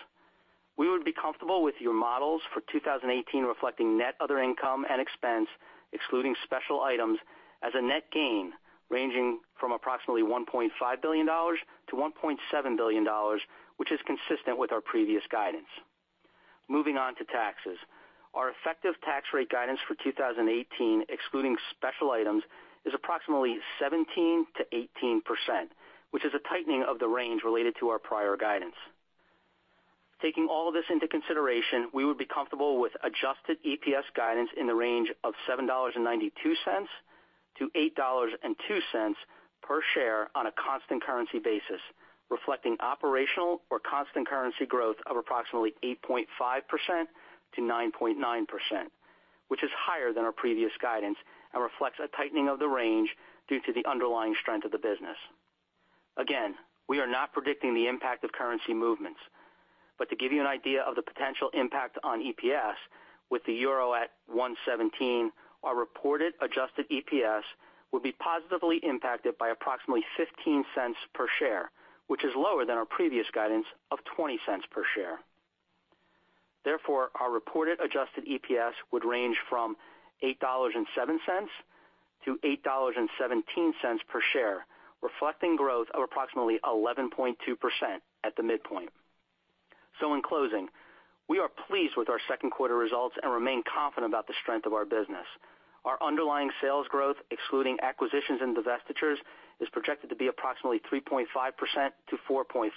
B: We would be comfortable with your models for 2018 reflecting net other income and expense, excluding special items as a net gain ranging from approximately $1.5 billion to $1.7 billion, which is consistent with our previous guidance. Moving on to taxes. Our effective tax rate guidance for 2018, excluding special items, is approximately 17%-18%, which is a tightening of the range related to our prior guidance. Taking all of this into consideration, we would be comfortable with adjusted EPS guidance in the range of $7.92-$8.02 per share on a constant currency basis, reflecting operational or constant currency growth of approximately 8.5%-9.9%, which is higher than our previous guidance and reflects a tightening of the range due to the underlying strength of the business. Again, we are not predicting the impact of currency movements. To give you an idea of the potential impact on EPS with the euro at $1.17, our reported adjusted EPS will be positively impacted by approximately $0.15 per share, which is lower than our previous guidance of $0.20 per share. Therefore, our reported adjusted EPS would range from $8.07-$8.17 per share, reflecting growth of approximately 11.2% at the midpoint. In closing, we are pleased with our second quarter results and remain confident about the strength of our business. Our underlying sales growth, excluding acquisitions and divestitures, is projected to be approximately 3.5%-4.5%,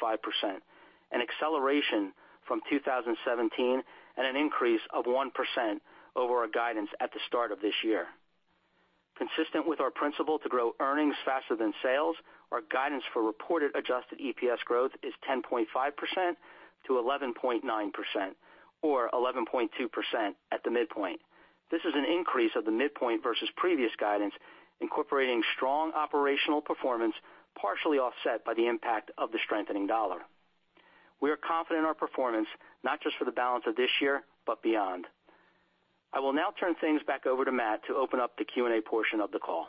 B: an acceleration from 2017 and an increase of 1% over our guidance at the start of this year. Consistent with our principle to grow earnings faster than sales, our guidance for reported adjusted EPS growth is 10.5%-11.9%, or 11.2% at the midpoint. This is an increase of the midpoint versus previous guidance, incorporating strong operational performance, partially offset by the impact of the strengthening dollar. We are confident in our performance, not just for the balance of this year, but beyond. I will now turn things back over to Matt to open up the Q&A portion of the call.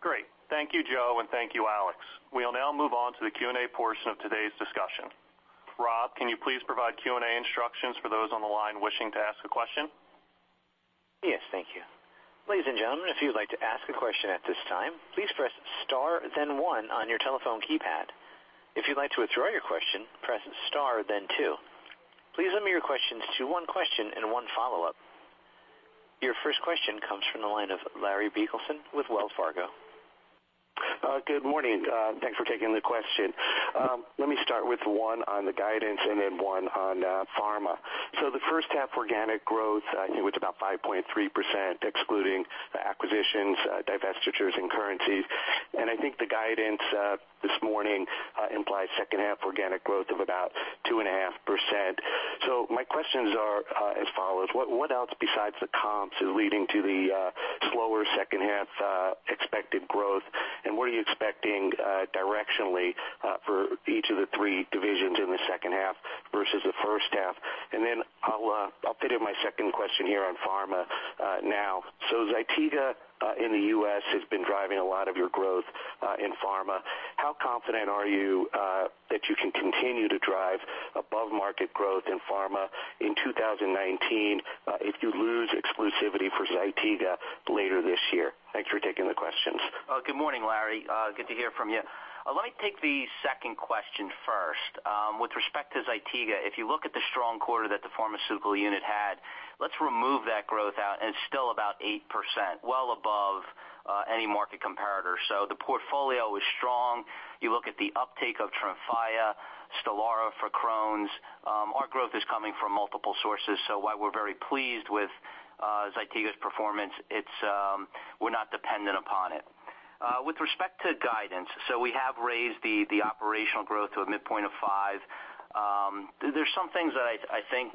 C: Great. Thank you, Joe, and thank you, Alex. We'll now move on to the Q&A portion of today's discussion. Rob, can you please provide Q&A instructions for those on the line wishing to ask a question?
A: Yes, thank you. Ladies and gentlemen, if you'd like to ask a question at this time, please press star then one on your telephone keypad. If you'd like to withdraw your question, press star then two. Please limit your questions to one question and one follow-up. Your first question comes from the line of Larry Biegelsen with Wells Fargo.
E: Good morning. Thanks for taking the question. Let me start with one on the guidance and then one on pharma. The first half organic growth, I think it was about 5.3%, excluding the acquisitions, divestitures, and currencies. I think the guidance this morning implies second half organic growth of about 2.5%. My questions are as follows. What else besides the comps is leading to the slower second half expected growth? What are you expecting directionally for each of the three divisions in the second half versus the first half? I'll fit in my second question here on pharma now. ZYTIGA in the U.S. has been driving a lot of your growth in pharma. How confident are you that you can continue to drive above-market growth in pharma in 2019 if you lose exclusivity for ZYTIGA later this year? Thanks for taking the questions.
B: Good morning, Larry. Good to hear from you. Let me take the second question first. With respect to ZYTIGA, if you look at the strong quarter that the pharmaceutical unit had, let's remove that growth out and it's still about 8%, well above any market comparator. The portfolio is strong. You look at the uptake of TREMFYA, STELARA for Crohn's. Our growth is coming from multiple sources, while we're very pleased with ZYTIGA's performance, we're not dependent upon it. With respect to guidance, we have raised the operational growth to a midpoint of five. There's some things that I think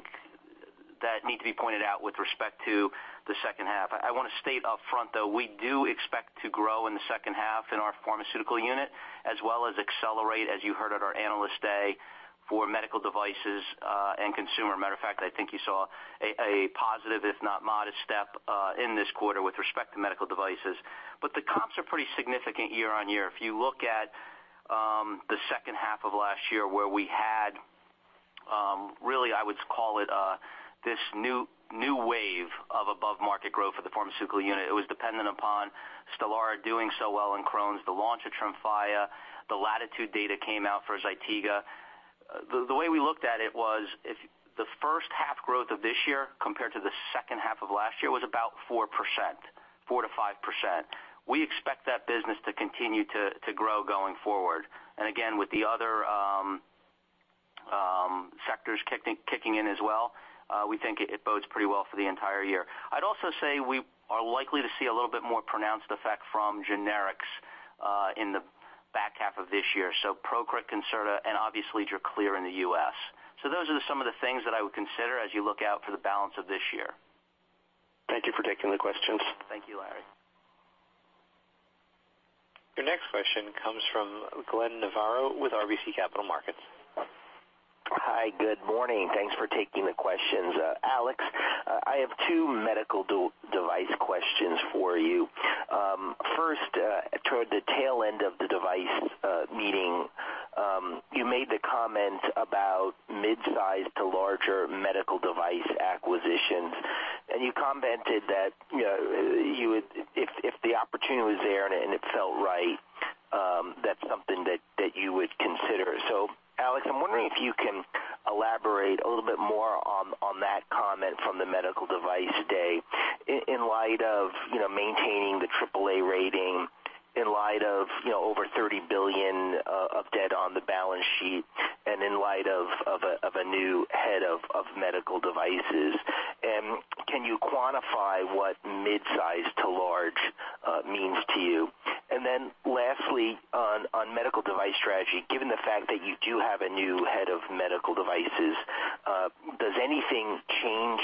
B: that need to be pointed out with respect to the second half. I want to state up front, though, we do expect to grow in the second half in our pharmaceutical unit, as well as accelerate, as you heard at our Analyst Day, for medical devices and consumer. Matter of fact, I think you saw a positive, if not modest, step in this quarter with respect to medical devices. The comps are pretty significant year-over-year. If you look at the second half of last year where we had really, I would call it this new wave of above-market growth for the pharmaceutical unit. It was dependent upon STELARA doing so well in Crohn's, the launch of TREMFYA, the LATITUDE data came out for ZYTIGA. The way we looked at it was if the first half growth of this year compared to the second half of last year was about 4%-5%. We expect that business to continue to grow going forward. Again, with the other sectors kicking in as well, we think it bodes pretty well for the entire year. I'd also say we are likely to see a little bit more pronounced effect from generics in the back half of this year. PROCRIT, CONCERTA, and obviously TRACLEER in the U.S. Those are some of the things that I would consider as you look out for the balance of this year.
E: Thank you for taking the questions.
B: Thank you, Larry.
A: Your next question comes from Glenn Novarro with RBC Capital Markets.
F: Hi, good morning. Thanks for taking the questions. Alex, I have two Medical Devices questions for you. First, toward the tail end of the device meeting, you made the comment about mid-size to larger Medical Devices acquisitions. You commented that if the opportunity was there and it felt right, that's something that you would consider. Alex, I'm wondering if you can elaborate a little bit more on that comment from the medical device day in light of maintaining the AAA rating, in light of over $30 billion of debt on the balance sheet, and in light of a new head of Medical Devices. Can you quantify what mid-size to large means to you? Then lastly, on Medical Devices strategy, given the fact that you do have a new head of Medical Devices, does anything change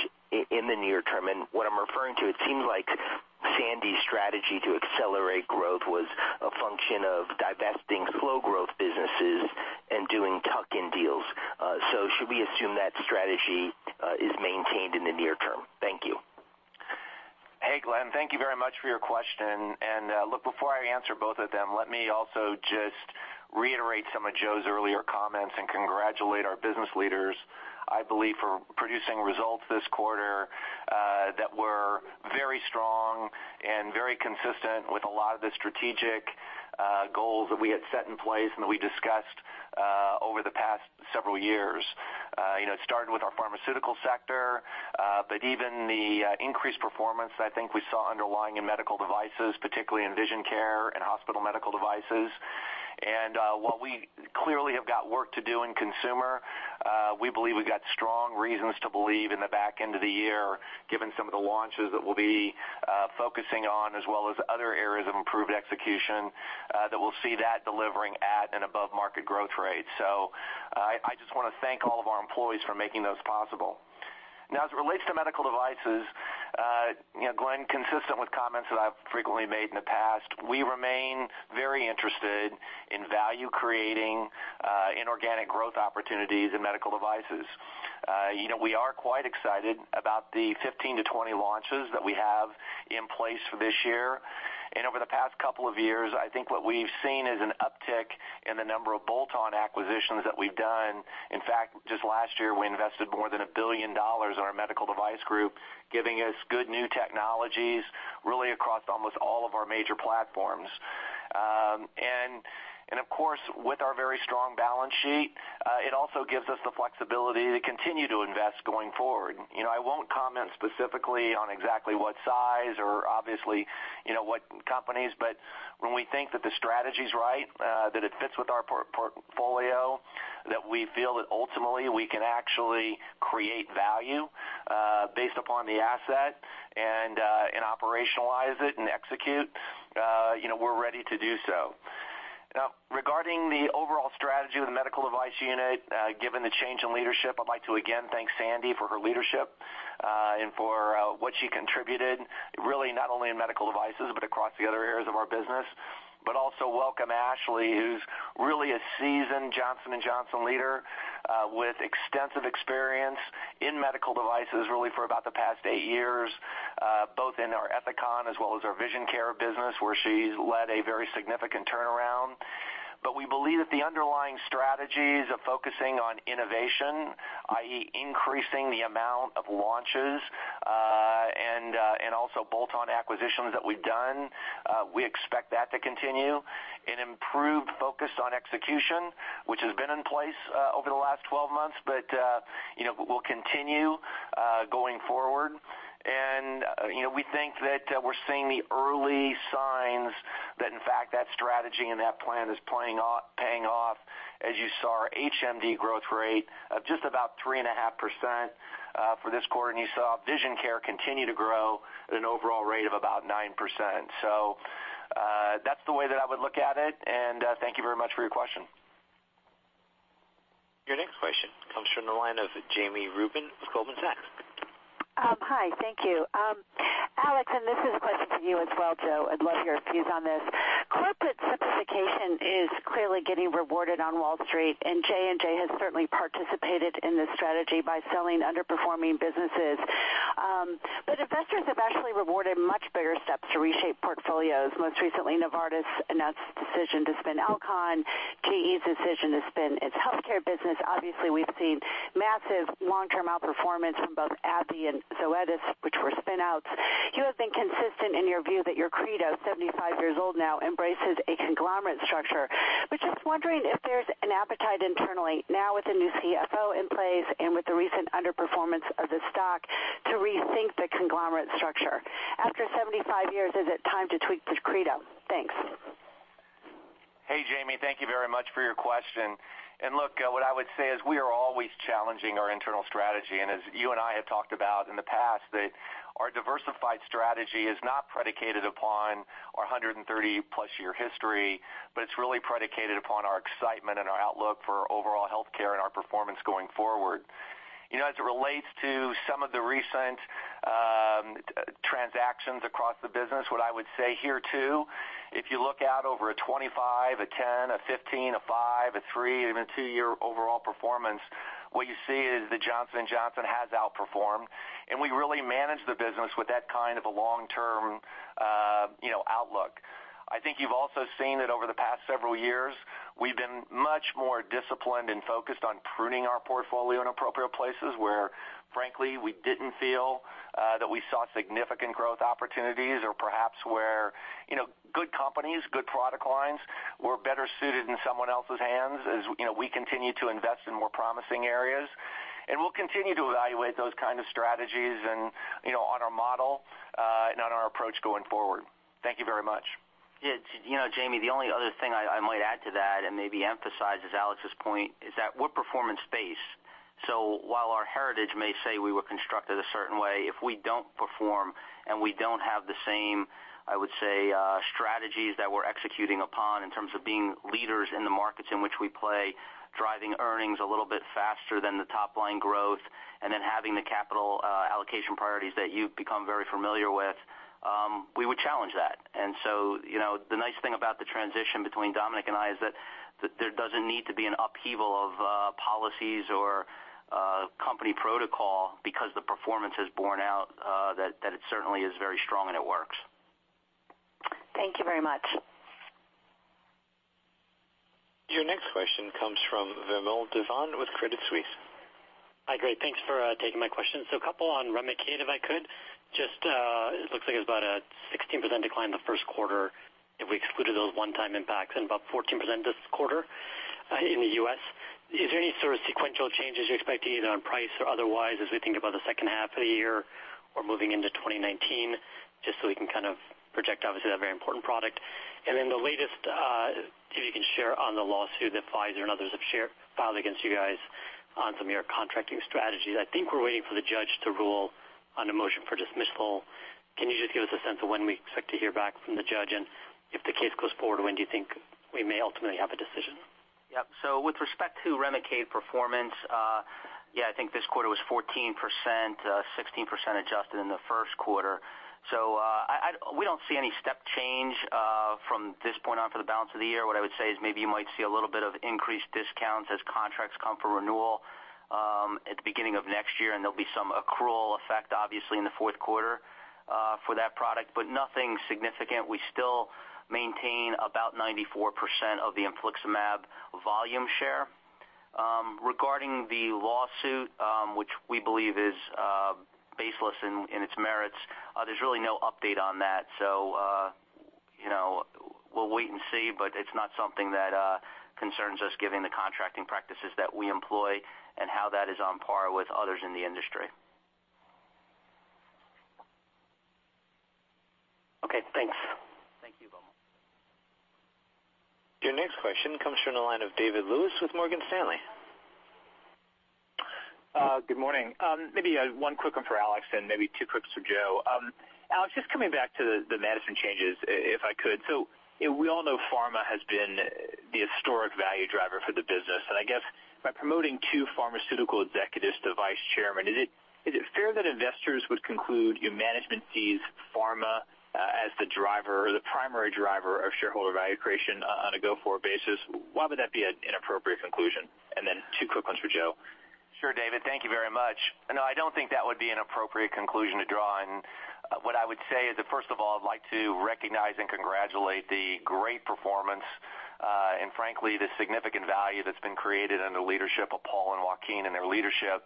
F: in the near term? What I'm referring to, it seems like Sandy's strategy to accelerate growth was a function of divesting slow growth businesses and doing tuck-in deals. Should we assume that strategy is maintained in the near term? Thank you.
D: Hey, Glenn, thank you very much for your question. Look, before I answer both of them, let me also just reiterate some of Joe's earlier comments and congratulate our business leaders, I believe, for producing results this quarter that were very strong and very consistent with a lot of the strategic goals that we had set in place and that we discussed over the past several years. It started with our Pharmaceutical sector, but even the increased performance I think we saw underlying in Medical Devices, particularly in Vision Care and hospital medical devices. While we clearly have got work to do in Consumer, we believe we've got strong reasons to believe in the back end of the year, given some of the launches that we'll be focusing on as well as other areas of improved execution, that we'll see that delivering at and above market growth rates. I just want to thank all of our employees for making those possible. As it relates to medical devices, Glenn, consistent with comments that I've frequently made in the past, we remain very interested in value creating inorganic growth opportunities in medical devices. We are quite excited about the 15 to 20 launches that we have in place for this year. Over the past couple of years, I think what we've seen is an uptick in the number of bolt-on acquisitions that we've done. In fact, just last year, we invested more than $1 billion in our medical device group, giving us good new technologies really across almost all of our major platforms. Of course, with our very strong balance sheet, it also gives us the flexibility to continue to invest going forward. I won't comment specifically on exactly what size or obviously what companies, when we think that the strategy's right, that it fits with our portfolio, that we feel that ultimately we can actually create value based upon the asset and operationalize it and execute, we're ready to do so. Regarding the overall strategy of the medical device unit, given the change in leadership, I'd like to again thank Sandy for her leadership and for what she contributed, really not only in medical devices, but across the other areas of our business. Also welcome Ashley, who's really a seasoned Johnson & Johnson leader with extensive experience in medical devices really for about the past eight years, both in our Ethicon as well as our Vision Care business, where she's led a very significant turnaround. We believe that the underlying strategies of focusing on innovation, i.e. increasing the amount of launches and also bolt-on acquisitions that we've done, we expect that to continue. An improved focus on execution, which has been in place over the last 12 months, will continue going forward. We think that we're seeing the early signs that in fact that strategy and that plan is paying off as you saw our HMD growth rate of just about 3.5% for this quarter, and you saw Vision Care continue to grow at an overall rate of about 9%. That's the way that I would look at it, and thank you very much for your question.
A: Your next question comes from the line of Jami Rubin with Goldman Sachs.
G: Hi, thank you, Alex. This is a question to you as well, Joe, I'd love your views on this. Corporate simplification is clearly getting rewarded on Wall Street, and J&J has certainly participated in this strategy by selling underperforming businesses. Investors have actually rewarded much bigger steps to reshape portfolios. Most recently, Novartis announced a decision to spin Alcon, GE's decision to spin its healthcare business. Obviously, we've seen massive long-term outperformance from both AbbVie and Zoetis, which were spin-outs. You have been consistent in your view that your Credo, 75 years old now, embraces a conglomerate structure. Just wondering if there's an appetite internally, now with a new CFO in place and with the recent underperformance of the stock, to rethink the conglomerate structure. After 75 years, is it time to tweak the Credo? Thanks.
D: Hey, Jami. Thank you very much for your question. Look, what I would say is we are always challenging our internal strategy, and as you and I have talked about in the past, that our diversified strategy is not predicated upon our 130-plus-year history, but it's really predicated upon our excitement and our outlook for overall healthcare and our performance going forward. As it relates to some of the recent transactions across the business, what I would say here, too, if you look out over a 25, a 10, a 15, a five, a three, even a two-year overall performance, what you see is that Johnson & Johnson has outperformed, and we really manage the business with that kind of a long-term outlook. I think you've also seen that over the past several years, we've been much more disciplined and focused on pruning our portfolio in appropriate places where, frankly, we didn't feel that we saw significant growth opportunities or perhaps where good companies, good product lines were better suited in someone else's hands as we continue to invest in more promising areas. We'll continue to evaluate those kind of strategies and on our model, and on our approach going forward. Thank you very much.
B: Yeah. Jami, the only other thing I might add to that and maybe emphasize is Alex's point is that we're performance-based. While our heritage may say we were constructed a certain way, if we don't perform and we don't have the same, I would say, strategies that we're executing upon in terms of being leaders in the markets in which we play, driving earnings a little bit faster than the top-line growth, and then having the capital allocation priorities that you've become very familiar with, we would challenge that. The nice thing about the transition between Dominic and I is that there doesn't need to be an upheaval of policies or company protocol because the performance has borne out that it certainly is very strong and it works.
G: Thank you very much.
A: Your next question comes from Vamil Divan with Credit Suisse.
H: Hi. Great. Thanks for taking my question. A couple on REMICADE, if I could. Just, it looks like it's about a 16% decline in the first quarter if we excluded those one-time impacts and about 14% this quarter in the U.S. Is there any sort of sequential changes you expect either on price or otherwise as we think about the second half of the year or moving into 2019, just so we can kind of project, obviously, that very important product? The latest, if you can share on the lawsuit that Pfizer and others have filed against you guys on some of your contracting strategies. I think we're waiting for the judge to rule on a motion for dismissal. Can you just give us a sense of when we expect to hear back from the judge? If the case goes forward, when do you think we may ultimately have a decision?
B: Yep. With respect to REMICADE performance, yeah, I think this quarter was 14%, 16% adjusted in the first quarter. We don't see any step change from this point on for the balance of the year. What I would say is maybe you might see a little bit of increased discounts as contracts come for renewal at the beginning of next year, and there'll be some accrual effect, obviously, in the fourth quarter for that product, but nothing significant. We still maintain about 94% of the infliximab volume share. Regarding the lawsuit, which we believe is baseless in its merits, there's really no update on that. We'll wait and see, but it's not something that concerns us given the contracting practices that we employ and how that is on par with others in the industry.
H: Okay, thanks.
B: Thank you, Vamil.
A: Your next question comes from the line of David Lewis with Morgan Stanley.
I: Good morning. Maybe one quick one for Alex and maybe two quick ones for Joe. Alex, just coming back to the management changes, if I could. We all know pharma has been the historic value driver for the business. I guess by promoting two pharmaceutical executives to vice chairman, is it fair that investors would conclude your management sees pharma as the driver or the primary driver of shareholder value creation on a go-forward basis? Why would that be an inappropriate conclusion? Two quick ones for Joe.
D: Sure, David. Thank you very much. I don't think that would be an appropriate conclusion to draw. What I would say is that, first of all, I'd like to recognize and congratulate the great performance, and frankly, the significant value that's been created under the leadership of Paul and Joaquin and their leadership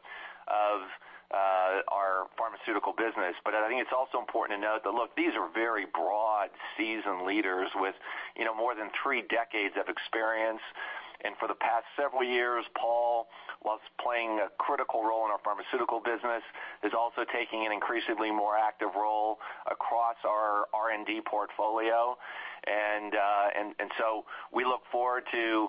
D: of our pharmaceutical business. I think it's also important to note that, look, these are very broad, seasoned leaders with more than three decades of experience. For the past several years, Paul, whilst playing a critical role in our pharmaceutical business, is also taking an increasingly more active role across our R&D portfolio. We look forward to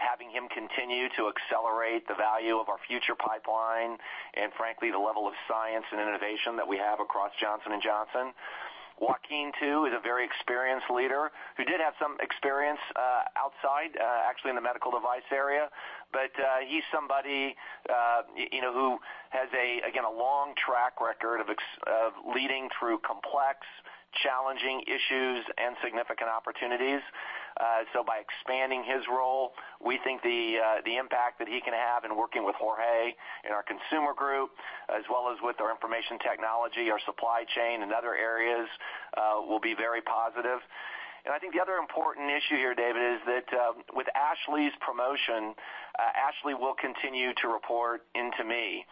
D: having him continue to accelerate the value of our future pipeline and frankly, the level of science and innovation that we have across Johnson & Johnson. Joaquin, too, is a very experienced leader who did have some experience outside, actually in the medical device area. He's somebody who has, again, a long track record of leading through complex, challenging issues and significant opportunities. By expanding his role, we think the impact that he can have in working with Jorge in our consumer group, as well as with our information technology, our supply chain and other areas, will be very positive. I think the other important issue here, David, is that with Ashley's promotion, Ashley will continue to report into me,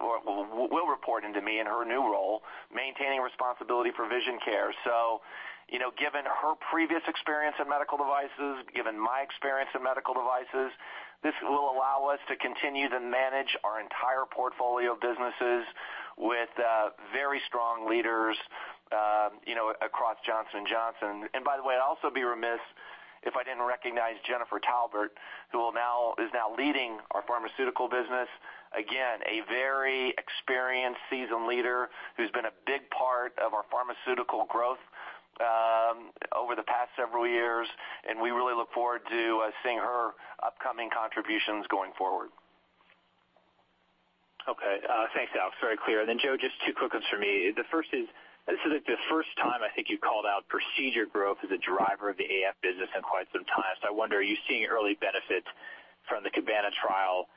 D: or will report into me in her new role, maintaining responsibility for Vision Care. Given her previous experience in medical devices, given my experience in medical devices, this will allow us to continue to manage our entire portfolio of businesses with very strong leaders across Johnson & Johnson. By the way, I'd also be remiss if I didn't recognize Jennifer Taubert, who is now leading our pharmaceutical business. Again, a very experienced, seasoned leader who's been a big part of our pharmaceutical growth over the past several years, and we really look forward to seeing her upcoming contributions going forward.
I: Thanks, Alex. Very clear. Joe, just two quick ones for me. The first is, this is the first time I think you called out procedure growth as a driver of the AF business in quite some time. I wonder, are you seeing early benefits from the CABANA trial.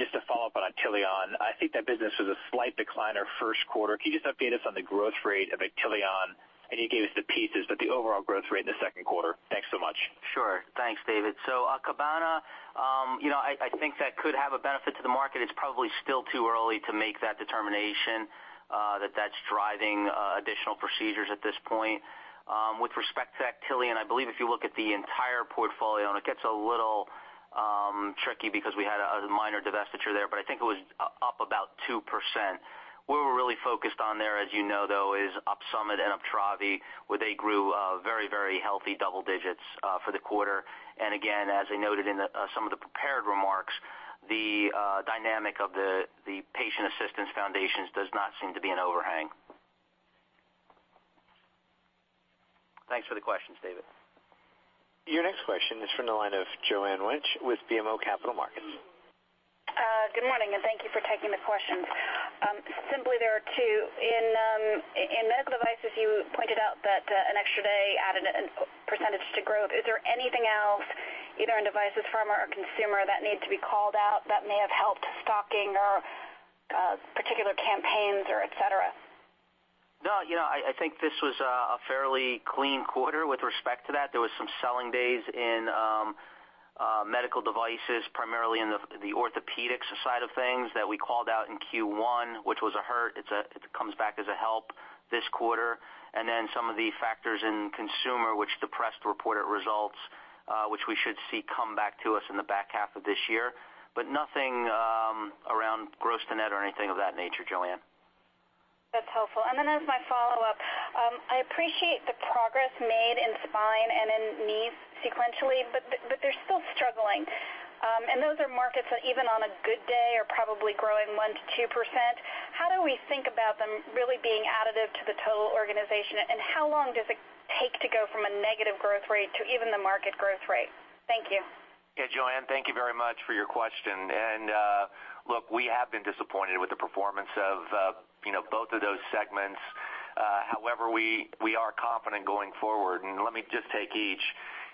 I: Just to follow up on Actelion, I think that business was a slight decline our first quarter. Can you just update us on the growth rate of Actelion? I know you gave us the pieces, but the overall growth rate in the second quarter. Thanks so much.
B: Sure. Thanks, David. CABANA, I think that could have a benefit to the market. It's probably still too early to make that determination that that's driving additional procedures at this point. With respect to Actelion, I believe if you look at the entire portfolio, and it gets a little tricky because we had a minor divestiture there, but I think it was up about 2%. Where we're really focused on there, as you know, though, is OPSUMIT and UPTRAVI, where they grew very healthy double digits for the quarter. Again, as I noted in some of the prepared remarks, the dynamic of the patient assistance foundations does not seem to be an overhang. Thanks for the questions, David.
A: Your next question is from the line of Joanne Wuensch with BMO Capital Markets.
J: Good morning. Thank you for taking the questions. Simply there are two. In Medical Devices, you pointed out that an extra day added a percentage to growth. Is there anything else, either in Devices, Pharma or Consumer that need to be called out that may have helped stocking or particular campaigns or et cetera?
B: I think this was a fairly clean quarter with respect to that. There was some selling days in Medical Devices, primarily in the orthopedics side of things that we called out in Q1, which was a hurt. It comes back as a help this quarter. Some of the factors in Consumer which depressed reported results, which we should see come back to us in the back half of this year. Nothing around gross to net or anything of that nature, Joanne.
J: That's helpful. As my follow-up, I appreciate the progress made in spine and in knees sequentially, they're still struggling. Those are markets that even on a good day are probably growing 1%-2%. How do we think about them really being additive to the total organization? How long does it take to go from a negative growth rate to even the market growth rate? Thank you.
B: Yeah, Joanne, thank you very much for your question. Look, we have been disappointed with the performance of both of those segments. However, we are confident going forward, let me just take each.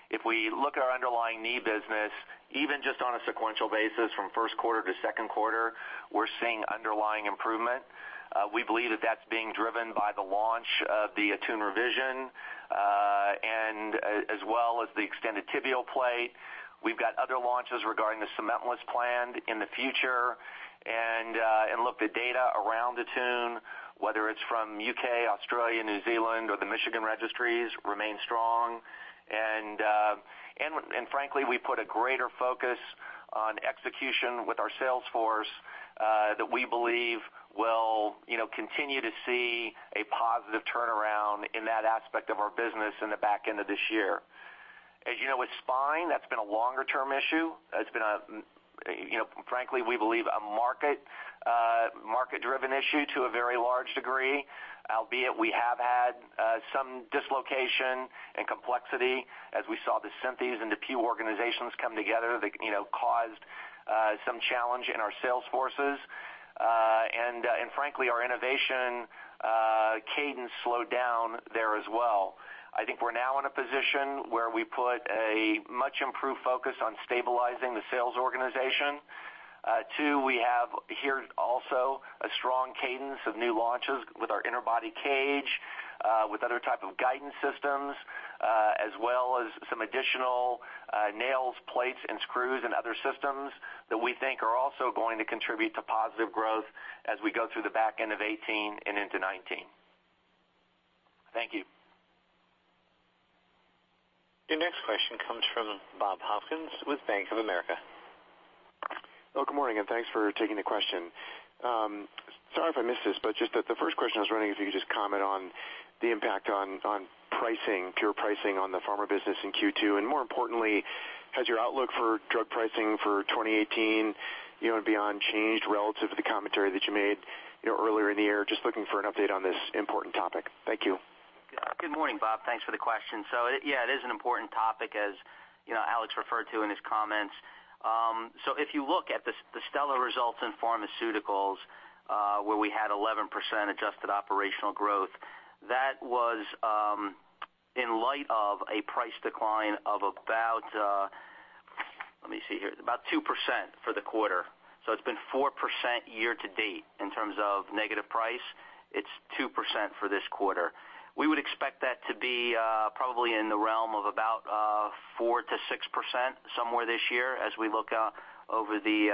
B: If we look at our underlying knee business, even just on a sequential basis from first quarter to second quarter, we're seeing underlying improvement. We believe that that's being driven by the launch of the ATTUNE Revision, as well as the extended tibial plate. We've got other launches regarding the cement-less planned in the future. Look, the data around ATTUNE, whether it's from U.K., Australia, New Zealand, or the Michigan registries, remain strong. Frankly, we put a greater focus on execution with our sales force, that we believe will continue to see a positive turnaround in that aspect of our business in the back end of this year. As you know, with spine, that's been a longer-term issue. It's been, frankly, we believe a market-driven issue to a very large degree, albeit we have had some dislocation and complexity as we saw the Synthes and the DePuy organizations come together that caused some challenge in our sales forces. Frankly, our innovation cadence slowed down there as well. I think we're now in a position where we put a much improved focus on stabilizing the sales organization. Two, we have here also a strong cadence of new launches with our interbody cage, with other type of guidance systems, as well as some additional nails, plates, and screws and other systems that we think are also going to contribute to positive growth as we go through the back end of 2018 and into 2019.
J: Thank you.
A: Your next question comes from Bob Hopkins with Bank of America.
K: Good morning. Thanks for taking the question. Sorry if I missed this, but just the first question I was wondering if you could just comment on the impact on pure pricing on the Pharma business in Q2. More importantly, has your outlook for drug pricing for 2018 and beyond changed relative to the commentary that you made earlier in the year? Just looking for an update on this important topic. Thank you.
B: Good morning, Bob. Thanks for the question. Yeah, it is an important topic, as Alex referred to in his comments. If you look at the stellar results in Pharmaceuticals where we had 11% adjusted operational growth, that was in light of a price decline of about, let me see here, about 2% for the quarter. It's been 4% year-to-date in terms of negative price. It's 2% for this quarter. We would expect that to be probably in the realm of about 4%-6% somewhere this year as we look over the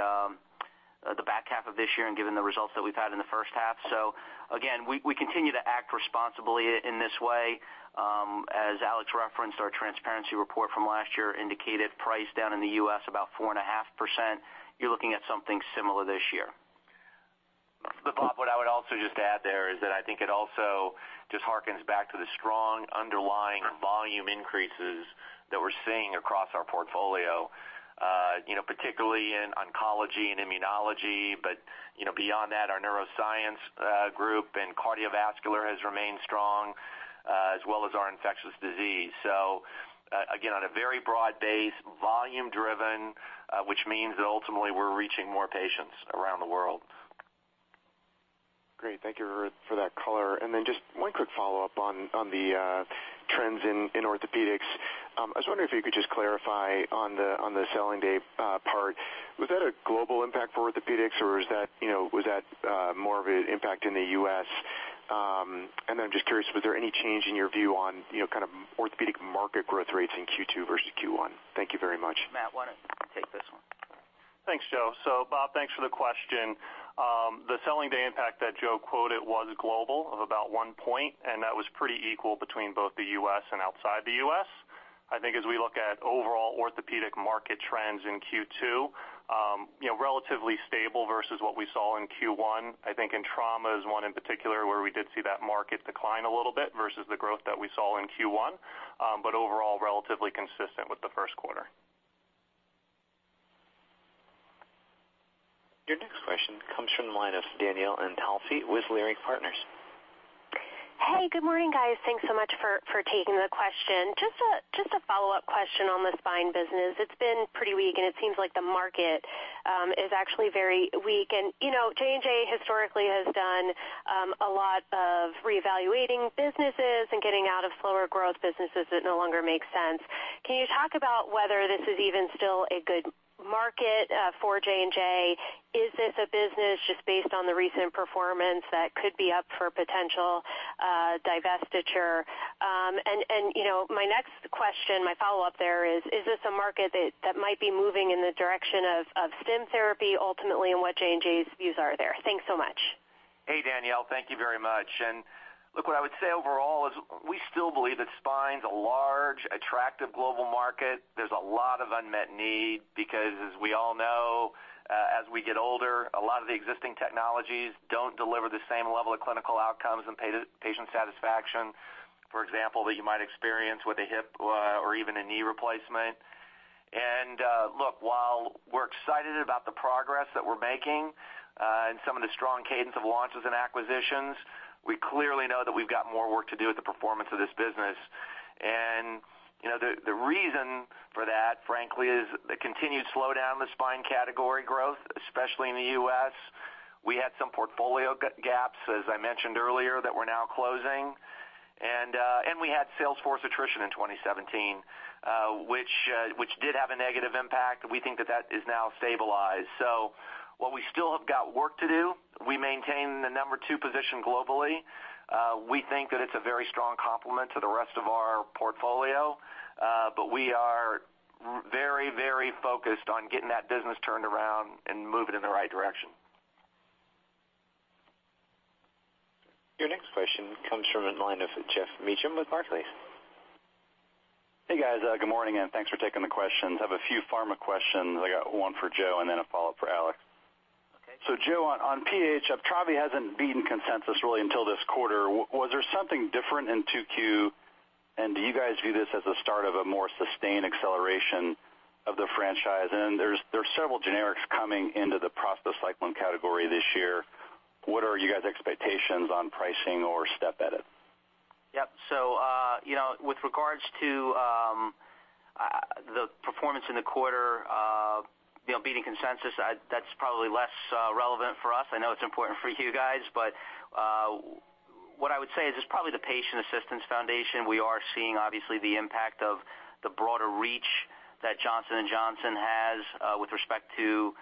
B: back half of this year and given the results that we've had in the first half. Again, we continue to act responsibly in this way. As Alex referenced, our transparency report from last year indicated price down in the U.S. about 4.5%. You're looking at something similar this year.
D: Bob, what I would also just add there is that I think it also just harkens back to the strong underlying volume increases that we're seeing across our portfolio, particularly in Oncology and Immunology. Beyond that, our Neuroscience group and Cardiovascular has remained strong, as well as our Infectious Disease. Again, on a very broad base, volume-driven, which means that ultimately we're reaching more patients around the world.
K: Great. Thank you for that color. Just one quick follow-up on the trends in Orthopedics. I was wondering if you could just clarify on the selling day part, was that a global impact for Orthopedics or was that more of an impact in the U.S.? I'm just curious, was there any change in your view on kind of Orthopedic market growth rates in Q2 versus Q1? Thank you very much.
B: Matt, why don't you take this one?
C: Thanks, Joe. Bob, thanks for the question. The selling day impact that Joe quoted was global of about one point, and that was pretty equal between both the U.S. and outside the U.S. I think as we look at overall Orthopedic market trends in Q2, relatively stable versus what we saw in Q1. I think in Trauma is one in particular where we did see that market decline a little bit versus the growth that we saw in Q1. Overall, relatively consistent with the first quarter.
A: Your next question comes from the line of Danielle Antalffy with Leerink Partners.
L: Hey, good morning, guys. Thanks so much for taking the question. Just a follow-up question on the spine business. It's been pretty weak, and it seems like the market is actually very weak. J&J historically has done a lot of reevaluating businesses and getting out of slower growth businesses that no longer make sense. Can you talk about whether this is even still a good market for J&J? Is this a business just based on the recent performance that could be up for potential divestiture? My next question, my follow-up there is this a market that might be moving in the direction of stem therapy ultimately, and what J&J's views are there? Thanks so much.
D: Hey, Danielle. Thank you very much. Look, what I would say overall is we still believe that spine is a large, attractive global market. There's a lot of unmet need because as we all know, as we get older, a lot of the existing technologies don't deliver the same level of clinical outcomes and patient satisfaction, for example, that you might experience with a hip or even a knee replacement. Look, while we're excited about the progress that we're making and some of the strong cadence of launches and acquisitions, we clearly know that we've got more work to do with the performance of this business. The reason for that, frankly, is the continued slowdown in the spine category growth, especially in the U.S. We had some portfolio gaps, as I mentioned earlier, that we're now closing.
C: We had sales force attrition in 2017, which did have a negative impact. We think that that is now stabilized. While we still have got work to do, we maintain the number 2 position globally. We think that it's a very strong complement to the rest of our portfolio. We are very focused on getting that business turned around and move it in the right direction.
A: Your next question comes from the line of Geoff Meacham with Barclays.
M: Hey, guys. Good morning. Thanks for taking the questions. Have a few pharma questions. I got one for Joe and then a follow-up for Alex.
B: Okay.
M: Joe, on PH, UPTRAVI hasn't beaten consensus really until this quarter. Was there something different in 2Q? Do you guys view this as the start of a more sustained acceleration of the franchise? There's several generics coming into the prostacyclin category this year. What are you guys' expectations on pricing or step edit?
B: Yep. With regards to the performance in the quarter beating consensus, that's probably less relevant for us. I know it's important for you guys, what I would say is it's probably the Patient Assistance Foundation. We are seeing, obviously, the impact of the broader reach that Johnson & Johnson has with respect to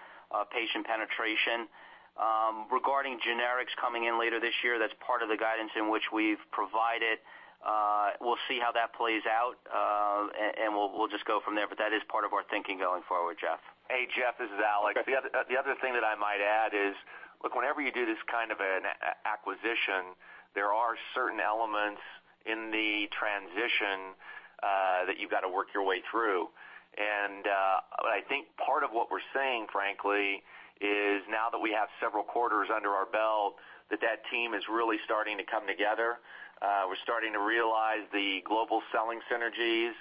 B: patient penetration. Regarding generics coming in later this year, that's part of the guidance in which we've provided. We'll see how that plays out, and we'll just go from there. That is part of our thinking going forward, Geoff. Hey, Geoff, this is Alex.
D: Okay. The other thing that I might add is, look, whenever you do this kind of an acquisition, there are certain elements in the transition that you've got to work your way through. I think part of what we're saying, frankly, is now that we have several quarters under our belt, that that team is really starting to come together. We're starting to realize the global selling synergies.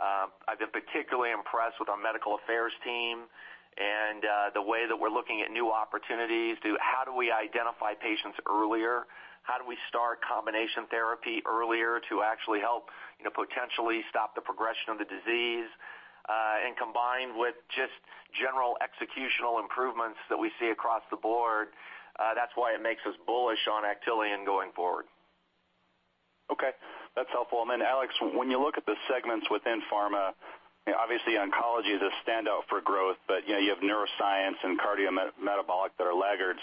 D: I've been particularly impressed with our medical affairs team and the way that we're looking at new opportunities to how do we identify patients earlier? How do we start combination therapy earlier to actually help potentially stop the progression of the disease? Combined with just general executional improvements that we see across the board, that's why it makes us bullish on Actelion going forward.
M: Okay. That's helpful. Then Alex, when you look at the segments within pharma, obviously oncology is a standout for growth, but you have neuroscience and cardiometabolic that are laggards.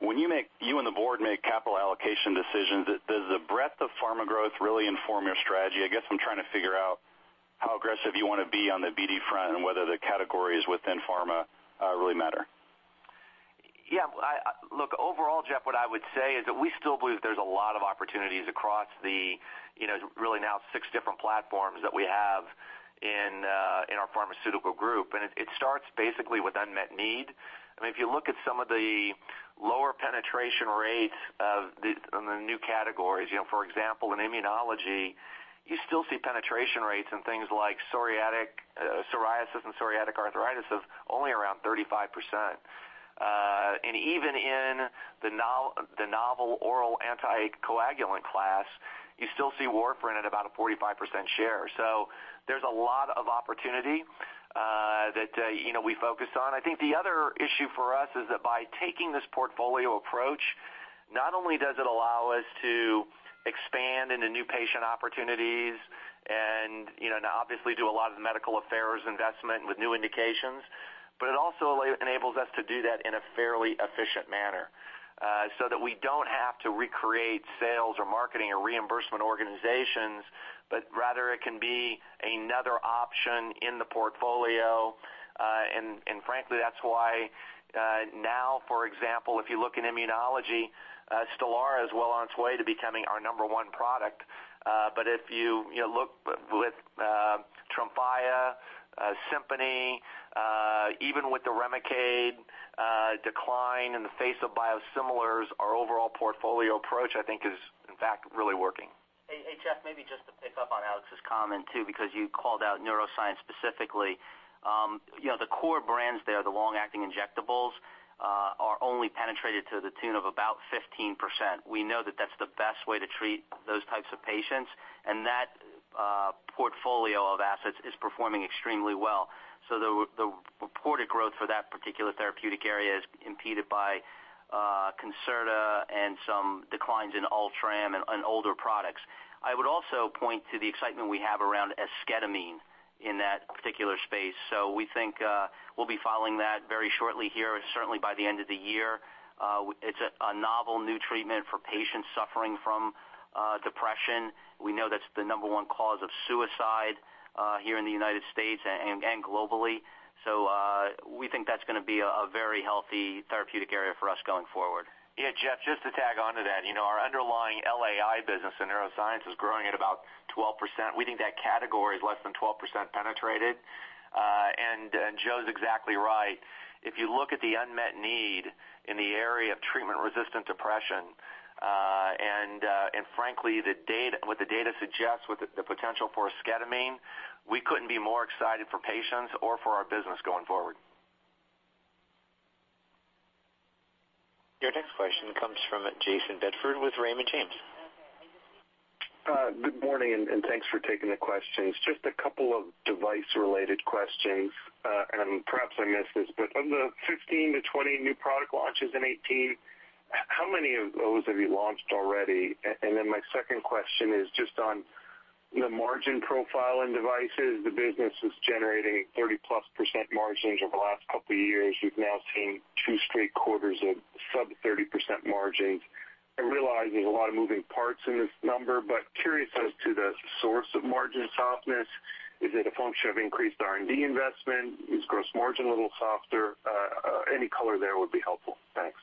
M: When you and the board make capital allocation decisions, does the breadth of pharma growth really inform your strategy? I guess I'm trying to figure out how aggressive you want to be on the BD front and whether the categories within pharma really matter.
D: Yeah. Look, overall, Geoff, what I would say is that we still believe there's a lot of opportunities across the really now six different platforms that we have in our pharmaceutical group. It starts basically with unmet need. I mean, if you look at some of the lower penetration rates of the new categories, for example, in immunology, you still see penetration rates in things like psoriasis and psoriatic arthritis of only around 35%. Even in the novel oral anticoagulant class, you still see warfarin at about a 45% share. There's a lot of opportunity that we focus on. I think the other issue for us is that by taking this portfolio approach, not only does it allow us to expand into new patient opportunities Obviously do a lot of the medical affairs investment with new indications. It also enables us to do that in a fairly efficient manner, so that we don't have to recreate sales or marketing or reimbursement organizations, but rather it can be another option in the portfolio. Frankly, that's why now, for example, if you look in immunology, STELARA is well on its way to becoming our number one product. If you look with TREMFYA, SIMPONI, even with the REMICADE decline in the face of biosimilars, our overall portfolio approach, I think is in fact really working.
B: Hey, Geoff, maybe just to pick up on Alex's comment too, because you called out neuroscience specifically. The core brands there, the long-acting injectables, are only penetrated to the tune of about 15%. We know that that's the best way to treat those types of patients, and that portfolio of assets is performing extremely well. The reported growth for that particular therapeutic area is impeded by CONCERTA and some declines in Ultram and older products. I would also point to the excitement we have around esketamine in that particular space. We think we'll be following that very shortly here, certainly by the end of the year. It's a novel new treatment for patients suffering from depression. We know that's the number one cause of suicide here in the U.S. and globally. We think that's going to be a very healthy therapeutic area for us going forward.
D: Yeah, Geoff, just to tag onto that. Our underlying LAI business in neuroscience is growing at about 12%. We think that category is less than 12% penetrated. Joe's exactly right. If you look at the unmet need in the area of treatment-resistant depression, and frankly, what the data suggests with the potential for esketamine, we couldn't be more excited for patients or for our business going forward.
A: Your next question comes from Jayson Bedford with Raymond James.
N: Good morning. Thanks for taking the questions. Just a couple of device-related questions. Perhaps I missed this, but of the 15-20 new product launches in 2018, how many of those have you launched already? My second question is just on the margin profile in devices. The business is generating 30%+ margins over the last couple of years. We've now seen two straight quarters of sub-30% margins. I realize there's a lot of moving parts in this number, but curious as to the source of margin softness. Is it a function of increased R&D investment? Is gross margin a little softer? Any color there would be helpful. Thanks.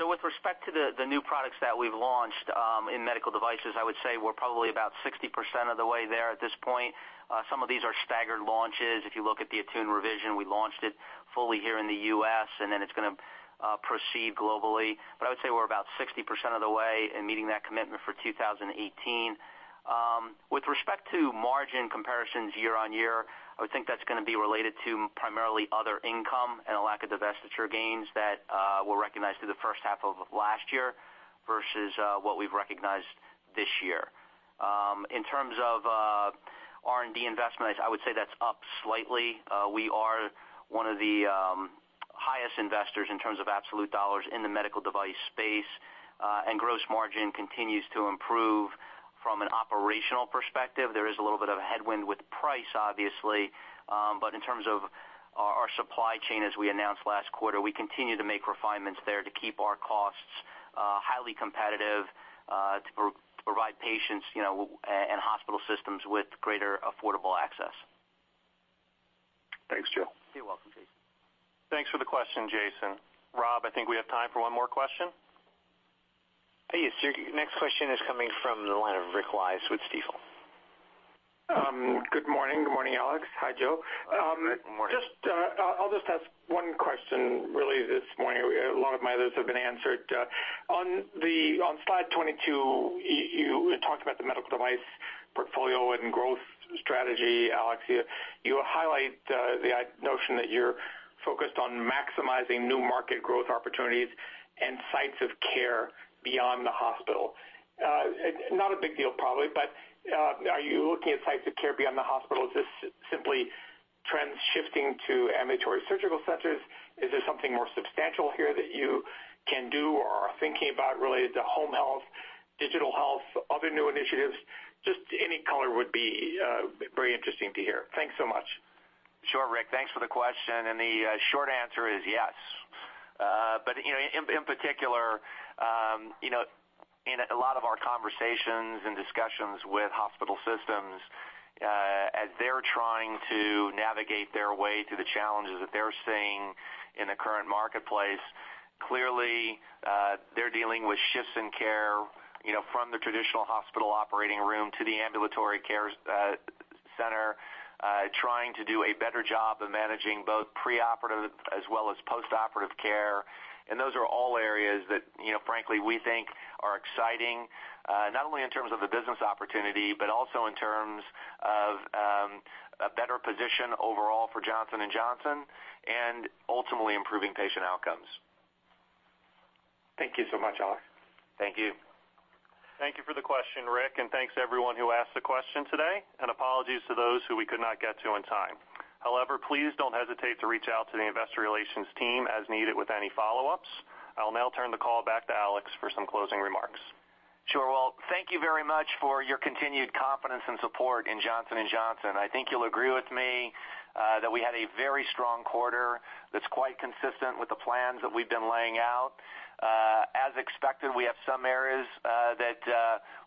B: Yeah. With respect to the new products that we've launched in medical devices, I would say we're probably about 60% of the way there at this point. Some of these are staggered launches. If you look at the ATTUNE Revision, we launched it fully here in the U.S., then it's going to proceed globally. I would say we're about 60% of the way in meeting that commitment for 2018. With respect to margin comparisons year-on-year, I would think that's going to be related to primarily other income and a lack of divestiture gains that were recognized through the first half of last year versus what we've recognized this year. In terms of R&D investment, I would say that's up slightly. We are one of the highest investors in terms of absolute dollars in the medical device space. Gross margin continues to improve from an operational perspective. There is a little bit of a headwind with price, obviously. In terms of our supply chain, as we announced last quarter, we continue to make refinements there to keep our costs highly competitive to provide patients and hospital systems with greater affordable access.
N: Thanks, Joe.
B: You're welcome, Jayson.
C: Thanks for the question, Jayson. Rob, I think we have time for one more question.
A: Yes, sir. Your next question is coming from the line of Rick Wise with Stifel.
O: Good morning. Good morning, Alex. Hi, Joe.
D: Good morning.
O: I'll just ask one question really this morning. A lot of my others have been answered. On slide 22, you talked about the medical device portfolio and growth strategy, Alex. You highlight the notion that you're focused on maximizing new market growth opportunities and sites of care beyond the hospital. Not a big deal, probably, but are you looking at sites of care beyond the hospital? Is this simply trends shifting to ambulatory surgical centers? Is there something more substantial here that you can do or are thinking about related to home health, digital health, other new initiatives? Just any color would be very interesting to hear. Thanks so much.
D: Sure, Rick, thanks for the question. The short answer is yes. In particular, in a lot of our conversations and discussions with hospital systems, as they're trying to navigate their way through the challenges that they're seeing in the current marketplace, clearly, they're dealing with shifts in care from the traditional hospital operating room to the ambulatory care center, trying to do a better job of managing both preoperative as well as postoperative care. Those are all areas that, frankly, we think are exciting, not only in terms of the business opportunity, but also in terms of a better position overall for Johnson & Johnson and ultimately improving patient outcomes.
O: Thank you so much, Alex.
D: Thank you.
C: Thank you for the question, Rick, and thanks to everyone who asked a question today. Apologies to those who we could not get to in time. However, please don't hesitate to reach out to the investor relations team as needed with any follow-ups. I'll now turn the call back to Alex for some closing remarks.
D: Well, thank you very much for your continued confidence and support in Johnson & Johnson. I think you'll agree with me that we had a very strong quarter that's quite consistent with the plans that we've been laying out. As expected, we have some areas that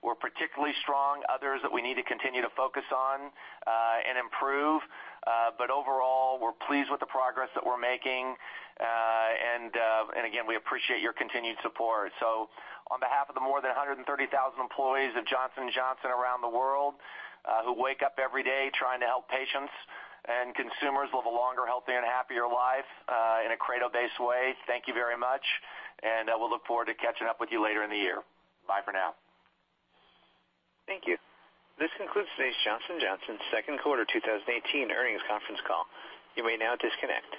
D: were particularly strong, others that we need to continue to focus on and improve. Overall, we're pleased with the progress that we're making. Again, we appreciate your continued support. On behalf of the more than 130,000 employees of Johnson & Johnson around the world who wake up every day trying to help patients and consumers live a longer, healthier, and happier life in a Credo-based way, thank you very much, and we'll look forward to catching up with you later in the year. Bye for now.
A: Thank you. This concludes today's Johnson & Johnson Second Quarter 2018 Earnings Conference Call. You may now disconnect.